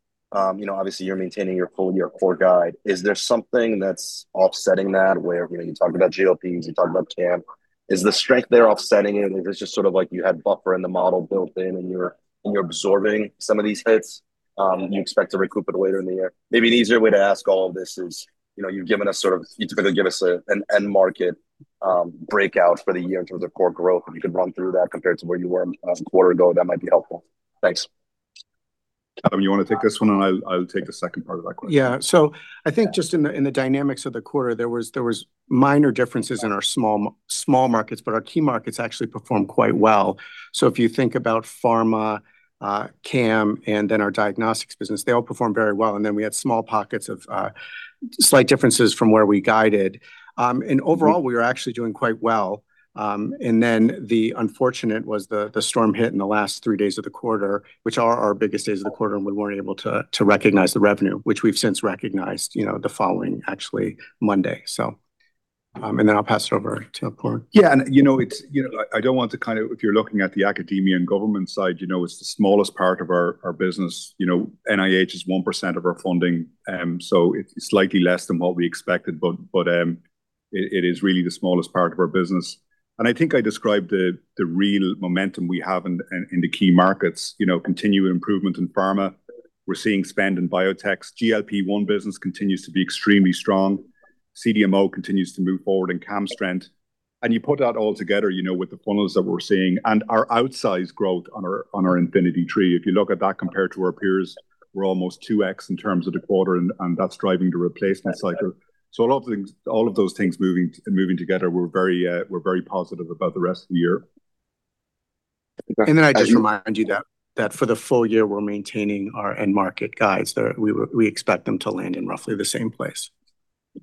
you know, obviously, you're maintaining your full year core guide. Is there something that's offsetting that, where, you know, you talked about GLPs, you talked about CAM? Is the strength there offsetting it, or is this just sort of like you had buffer in the model built in, and you're absorbing some of these hits, you expect to recoup it later in the year? Maybe an easier way to ask all of this is, you know, you've given us sort of you typically give us an end market breakout for the year in terms of core growth. If you could run through that compared to where you were a quarter ago, that might be helpful. Thanks. Kevin, you want to take this one, and I'll take the second part of that question? Yeah. I think just in the dynamics of the quarter, there was minor differences in our small markets. Our key markets actually performed quite well. If you think about pharma, CAM, and then our diagnostics business, they all performed very well. We had small pockets of slight differences from where we guided. Overall, we were actually doing quite well. The unfortunate was the storm hit in the last 3 days of the quarter, which are our biggest days of the quarter, and we weren't able to recognize the revenue, which we've since recognized, you know, the following, actually, Monday. I'll pass it over to Padraig. Yeah, you know, it's. You know, if you're looking at the academia and government side, you know, it's the smallest part of our business. You know, NIH is 1% of our funding, so it's slightly less than what we expected, but it is really the smallest part of our business. I think I described the real momentum we have in the key markets. You know, continued improvement in pharma. We're seeing spend in biotech's. GLP-1 business continues to be extremely strong. CDMO continues to move forward in CAM strength. You put that all together, you know, with the funnels that we're seeing and our outsized growth on our Infinity III. If you look at that compared to our peers, we're almost 2x in terms of the quarter, and that's driving the replacement cycle. All of those things moving together, we're very positive about the rest of the year. I'd just remind you that for the full year, we're maintaining our end market guides. We expect them to land in roughly the same place.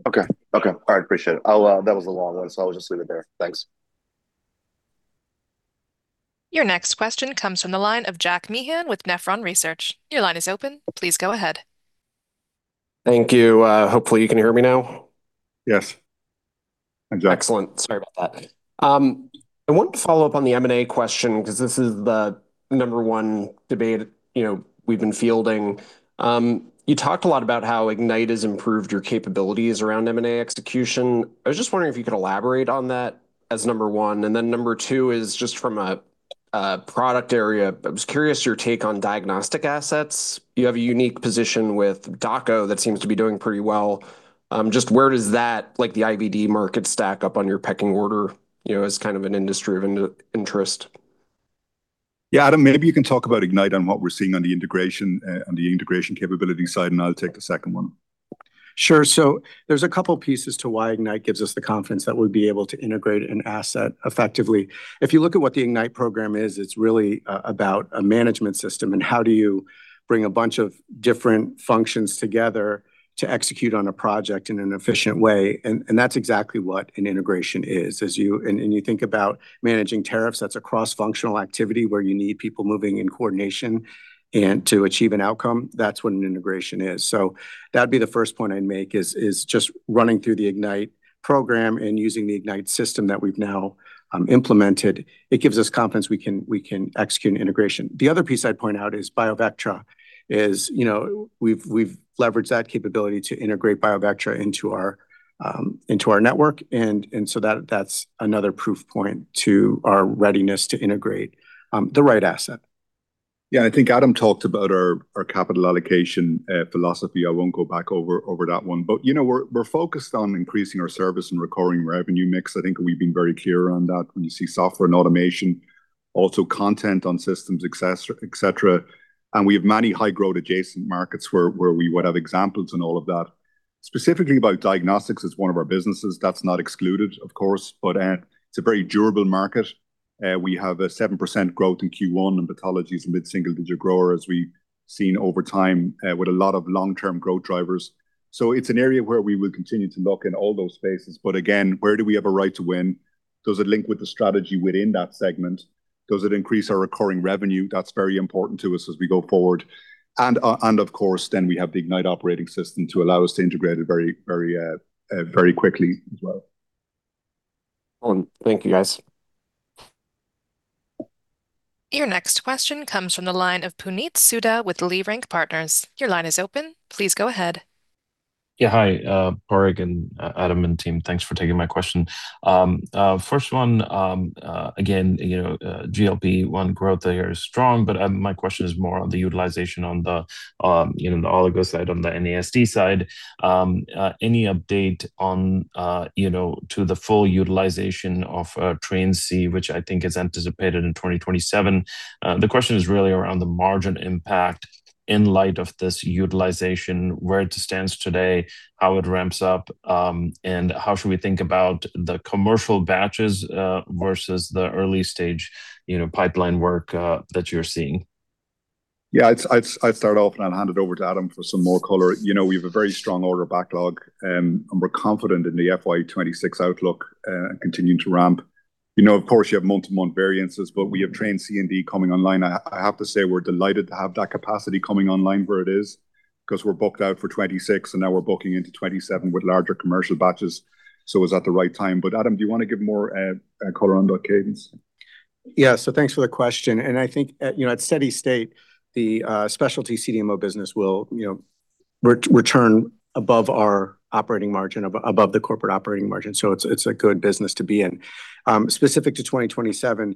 Okay. Okay, I appreciate it. That was a long one, so I'll just leave it there. Thanks. Your next question comes from the line of Jack Meehan with Nephron Research. Your line is open. Please go ahead. Thank you. Hopefully, you can hear me now. Yes. Hi, Jack. Excellent. Sorry about that. I wanted to follow up on the M&A question, because this is the number 1 debate, you know, we've been fielding. You talked a lot about how Ignite has improved your capabilities around M&A execution. I was just wondering if you could elaborate on that, as number 1. Number 2 is just from a product area. I was curious your take on diagnostic assets. You have a unique position with Dako that seems to be doing pretty well. Just where does that, like the IVD market, stack up on your pecking order, you know, as kind of an industry of interest?... Yeah, Adam, maybe you can talk about Ignite and what we're seeing on the integration capability side, and I'll take the second one. Sure. There's a couple pieces to why IGNITE gives us the confidence that we'll be able to integrate an asset effectively. If you look at what the IGNITE program is, it's really about a management system, and how do you bring a bunch of different functions together to execute on a project in an efficient way. That's exactly what an integration is. As you and you think about managing tariffs, that's a cross-functional activity where you need people moving in coordination and to achieve an outcome. That's what an integration is. That'd be the first point I'd make is just running through the IGNITE program and using the IGNITE system that we've now implemented. It gives us confidence we can, we can execute an integration. The other piece I'd point out is BioVectra is, you know, we've leveraged that capability to integrate BioVectra into our, into our network, and so that's another proof point to our readiness to integrate, the right asset. Yeah, I think Adam talked about our capital allocation philosophy. I won't go back over that one. you know, we're focused on increasing our service and recurring revenue mix. I think we've been very clear on that when you see software and automation, also content on systems, et cetera. we have many high-growth adjacent markets where we would have examples in all of that. Specifically about diagnostics as one of our businesses, that's not excluded, of course, but it's a very durable market. we have a 7% growth in Q1, and pathology is a mid-single-digit grower, as we've seen over time, with a lot of long-term growth drivers. it's an area where we will continue to look in all those spaces. again, where do we have a right to win? Does it link with the strategy within that segment? Does it increase our recurring revenue? That's very important to us as we go forward. And of course, then we have the Ignite operating system to allow us to integrate it very, very, very quickly as well. Well, thank you, guys. Your next question comes from the line of Puneet Souda with Leerink Partners. Your line is open. Please go ahead. Padraig and Adam, and team. Thanks for taking my question. First one, again, you know, GLP-1 growth there is strong, but my question is more on the utilization on the, you know, the oligos side, on the NASD side. Any update on, you know, to the full utilization of Train C, which I think is anticipated in 2027? The question is really around the margin impact in light of this utilization, where it stands today, how it ramps up, and how should we think about the commercial batches versus the early-stage, you know, pipeline work that you're seeing? I'd start off and I'd hand it over to Adam for some more color. You know, we have a very strong order backlog, and we're confident in the FY 2026 outlook, continuing to ramp. You know, of course, you have month-to-month variances, but we have Train C and D coming online. I have to say, we're delighted to have that capacity coming online where it is, cause we're booked out for 2026, and now we're booking into 2027 with larger commercial batches, so it's at the right time. Adam, do you want to give more color on that cadence? Thanks for the question, and I think, you know, at steady state, the specialty CDMO business will, you know, return above our operating margin, above the corporate operating margin, so it's a good business to be in. Specific to 2027,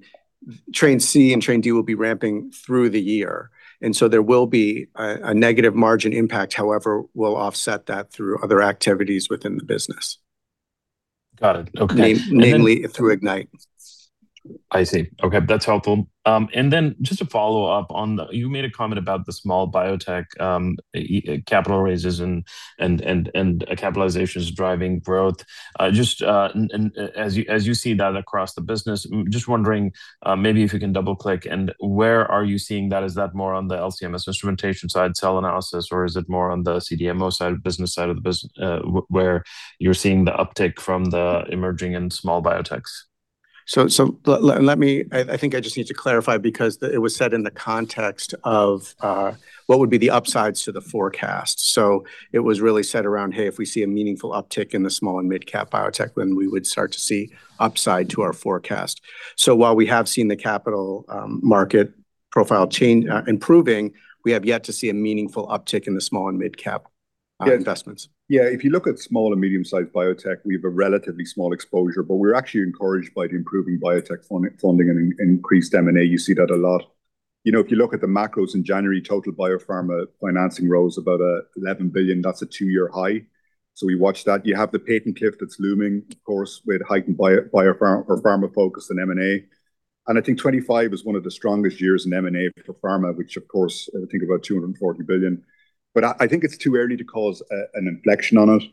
Train C and Train D will be ramping through the year, and so there will be a negative margin impact. However, we'll offset that through other activities within the business. Got it. Mainly through Ignite. I see. Okay, that's helpful. Then just to follow up on the... You made a comment about the small biotech, capital raises and capitalizations driving growth. Just as you see that across the business, just wondering, maybe if you can double-click, and where are you seeing that? Is that more on the LC-MS instrumentation side, cell analysis, or is it more on the CDMO side, where you're seeing the uptick from the emerging and small biotech's? Let me I think I just need to clarify, because it was said in the context of what would be the upsides to the forecast. It was really set around, hey, if we see a meaningful uptick in the small and midcap biotech, then we would start to see upside to our forecast. While we have seen the capital market profile change, improving, we have yet to see a meaningful uptick in the small and midcap investments. Yeah, if you look at small and medium-sized biotech, we have a relatively small exposure, but we're actually encouraged by the improving biotech funding and increased M&A. You see that a lot. You know, if you look at the macros in January, total biopharma financing rose about $11 billion. That's a 2-year high. We watch that. You have the patent cliff that's looming, of course, with heightened biopharma or pharma focus in M&A. I think 2025 is one of the strongest years in M&A for pharma, which of course, I think about $240 billion. I think it's too early to call an inflection on it,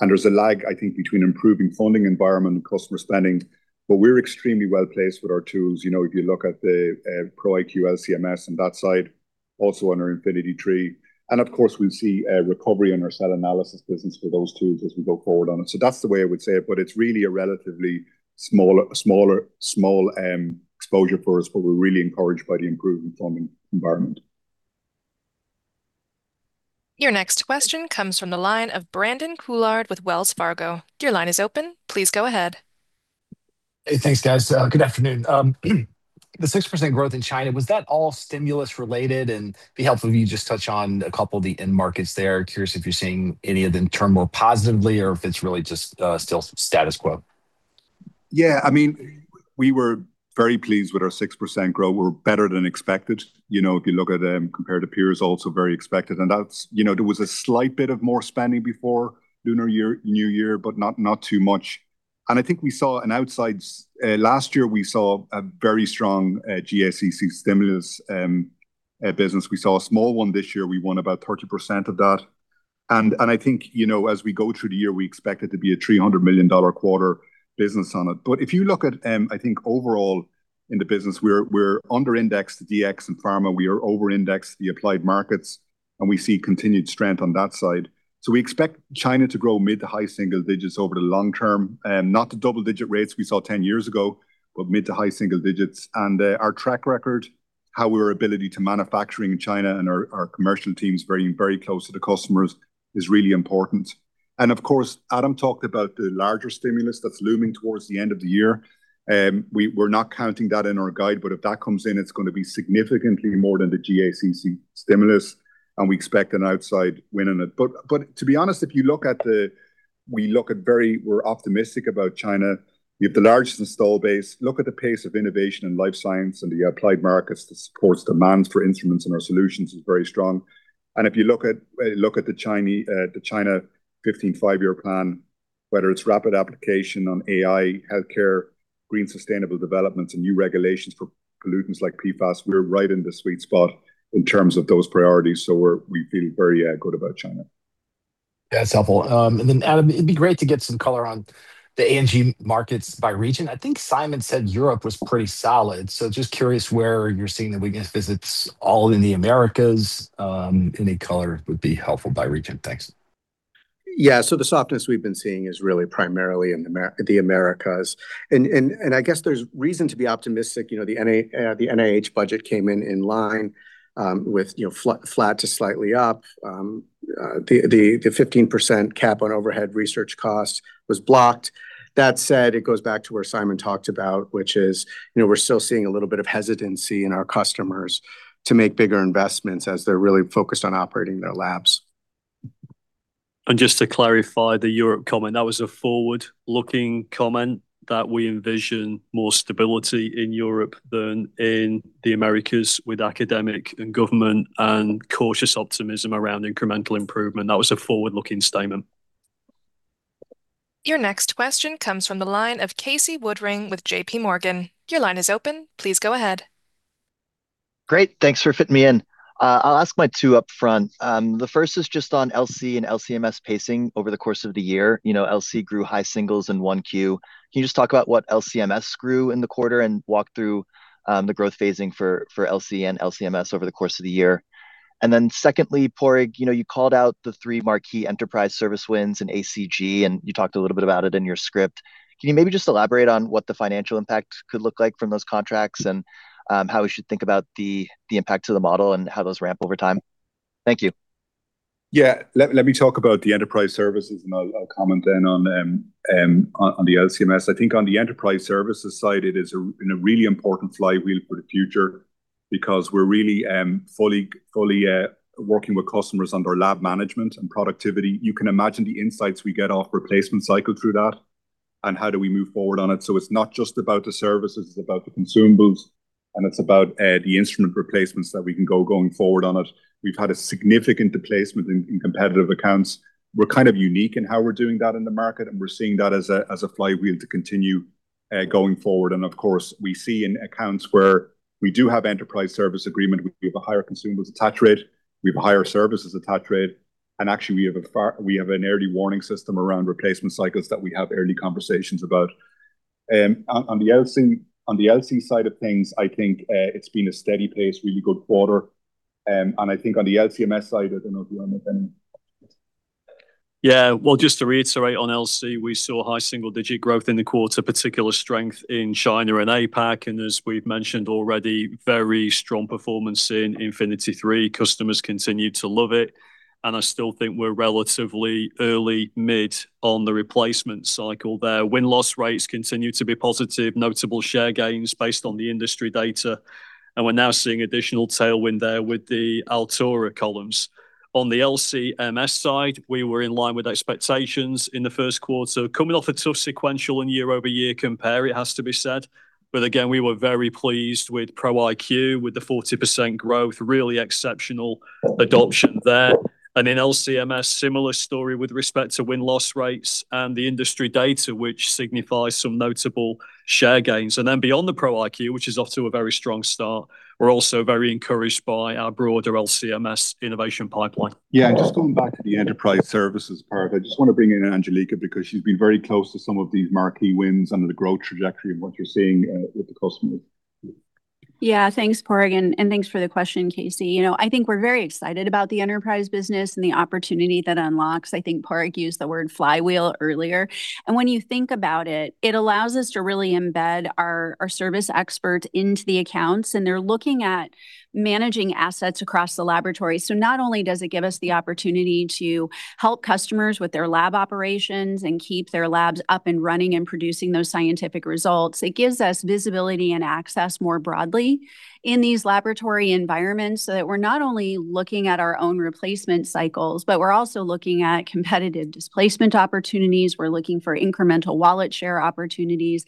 and there's a lag, I think, between improving funding environment and customer spending. We're extremely well-placed with our tools. You know, if you look at the ProIQ LC-MS on that side, also on our 1290 Infinity III LC. Of course, we'll see a recovery on our cell analysis business for those tools as we go forward on it. That's the way I would say it, but it's really a relatively smaller, small exposure for us, but we're really encouraged by the improving funding environment. Your next question comes from the line of Brandon Couillard with Wells Fargo. Your line is open. Please go ahead. Hey, thanks, guys. Good afternoon. The 6% growth in China, was that all stimulus-related? It'd be helpful if you just touch on a couple of the end markets there. Curious if you're seeing any of them turn more positively or if it's really just still status quo? Yeah, I mean, we were very pleased with our 6% growth. We're better than expected. You know, if you look at them compared to peers, also very expected. That's, you know, there was a slight bit of more spending before Lunar New Year, but not too much. I think last year we saw a very strong GACC stimulus business. We saw a small one this year. We won about 30% of that. I think, you know, as we go through the year, we expect it to be a $300 million quarter business on it. If you look at, I think overall in the business, we're under indexed DX and Pharma. We are over indexed the Applied Markets, and we see continued strength on that side. We expect China to grow mid to high single digits over the long term, not the double-digit rates we saw 10 years ago, but mid to high single digits. Our track record, how we're ability to manufacturing in China and our commercial teams very close to the customers is really important. Of course, Adam talked about the larger stimulus that's looming towards the end of the year, we're not counting that in our guide, but if that comes in, it's going to be significantly more than the GACC stimulus, and we expect an outside win in it. To be honest, we're optimistic about China. We have the largest install base. Look at the pace of innovation in life science and the applied markets that supports demands for instruments, and our solutions is very strong. If you look at the China 15th Five-Year Plan, whether it's rapid application on AI, healthcare, green sustainable developments, and new regulations for pollutants like PFAS, we're right in the sweet spot in terms of those priorities. We feel very good about China. That's helpful. Adam, it'd be great to get some color on the AMG markets by region. I think Simon said Europe was pretty solid. Just curious where you're seeing the weakness. Is it all in the Americas? Any color would be helpful by region. Thanks. Yeah, the softness we've been seeing is really primarily in the Americas. I guess there's reason to be optimistic. You know, the NIH budget came in in line, with, you know, flat to slightly up. The 15% cap on overhead research costs was blocked. That said, it goes back to where Simon talked about, which is, you know, we're still seeing a little bit of hesitancy in our customers to make bigger investments as they're really focused on operating their labs. Just to clarify the Europe comment, that was a forward-looking comment, that we envision more stability in Europe than in the Americas with academic and government, and cautious optimism around incremental improvement. That was a forward-looking statement. Your next question comes from the line of Casey Woodring with J.P. Morgan. Your line is open. Please go ahead. Great, thanks for fitting me in. I'll ask my two upfront. The first is just on LC and LC-MS pacing over the course of the year. You know, LC grew high singles in 1Q. Can you just talk about what LC-MS grew in the quarter and walk through the growth phasing for LC and LC-MS over the course of the year? Secondly, Padraig, you know, you called out the three marquee enterprise service wins in ACG, and you talked a little bit about it in your script. Can you maybe just elaborate on what the financial impact could look like from those contracts, and how we should think about the impact to the model and how those ramp over time? Thank you. Let me talk about the enterprise services, and I'll comment then on the LC-MS. I think on the enterprise services side, it is a really important flywheel for the future because we're really fully working with customers on our lab management and productivity. You can imagine the insights we get off replacement cycle through that, and how do we move forward on it. It's not just about the services, it's about the consumables, and it's about the instrument replacements that we can go going forward on it. We've had a significant displacement in competitive accounts. We're kind of unique in how we're doing that in the market, and we're seeing that as a flywheel to continue going forward. Of course, we see in accounts where we do have enterprise service agreement, we have a higher consumables attach rate, we have a higher services attach rate, and actually, we have an early warning system around replacement cycles that we have early conversations about. On, on the LC, on the LC side of things, I think, it's been a steady pace, really good quarter. I think on the LC-MS side, I don't know if you want to make any comments. Well, just to reiterate on LC, we saw high single-digit growth in the quarter, particular strength in China and APAC. As we've mentioned already, very strong performance in Infinity 3. Customers continue to love it, and I still think we're relatively early mid on the replacement cycle there. Win-loss rates continue to be positive, notable share gains based on the industry data, and we're now seeing additional tailwind there with the Altura columns. On the LC-MS side, we were in line with expectations in the first quarter, coming off a tough sequential and year-over-year compare, it has to be said. Again, we were very pleased with ProIQ, with the 40% growth, really exceptional adoption there. In LC-MS, similar story with respect to win-loss rates and the industry data, which signifies some notable share gains. Beyond the Pro iQ, which is off to a very strong start, we're also very encouraged by our broader LC-MS innovation pipeline. Just going back to the enterprise services part, I just want to bring in Angelique because she's been very close to some of these marquee wins under the growth trajectory and what you're seeing with the customers. Yeah, thanks, Padraig, and thanks for the question, Casey. You know, I think we're very excited about the enterprise business and the opportunity that unlocks. I think Padraig used the word flywheel earlier. When you think about it allows us to really embed our service experts into the accounts, and they're looking at managing assets across the laboratory. Not only does it give us the opportunity to help customers with their lab operations and keep their labs up and running and producing those scientific results, it gives us visibility and access more broadly in these laboratory environments, so that we're not only looking at our own replacement cycles, but we're also looking at competitive displacement opportunities. We're looking for incremental wallet share opportunities.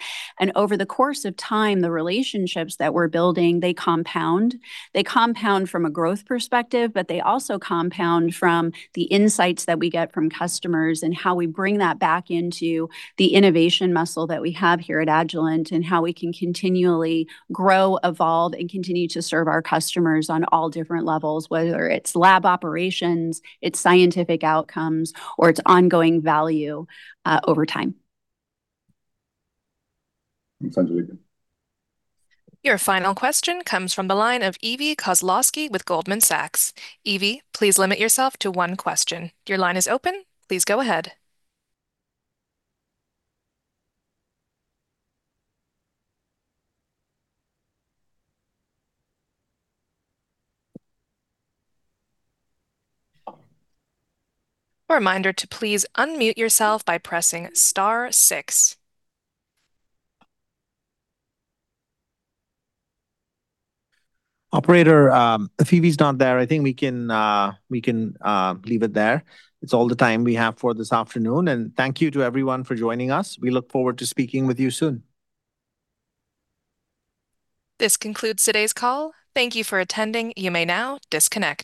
Over the course of time, the relationships that we're building, they compound. They compound from a growth perspective, but they also compound from the insights that we get from customers and how we bring that back into the innovation muscle that we have here at Agilent, and how we can continually grow, evolve, and continue to serve our customers on all different levels, whether it's lab operations, it's scientific outcomes, or it's ongoing value over time. Thanks, Angelica. Your final question comes from the line of Evy Kozlosky with Goldman Sachs. Evie, please limit yourself to one question. Your line is open. Please go ahead. A reminder to please unmute yourself by pressing star 6. Operator, if Eve's not there, I think we can leave it there. It's all the time we have for this afternoon. Thank you to everyone for joining us. We look forward to speaking with you soon. This concludes today's call. Thank you for attending. You may now disconnect.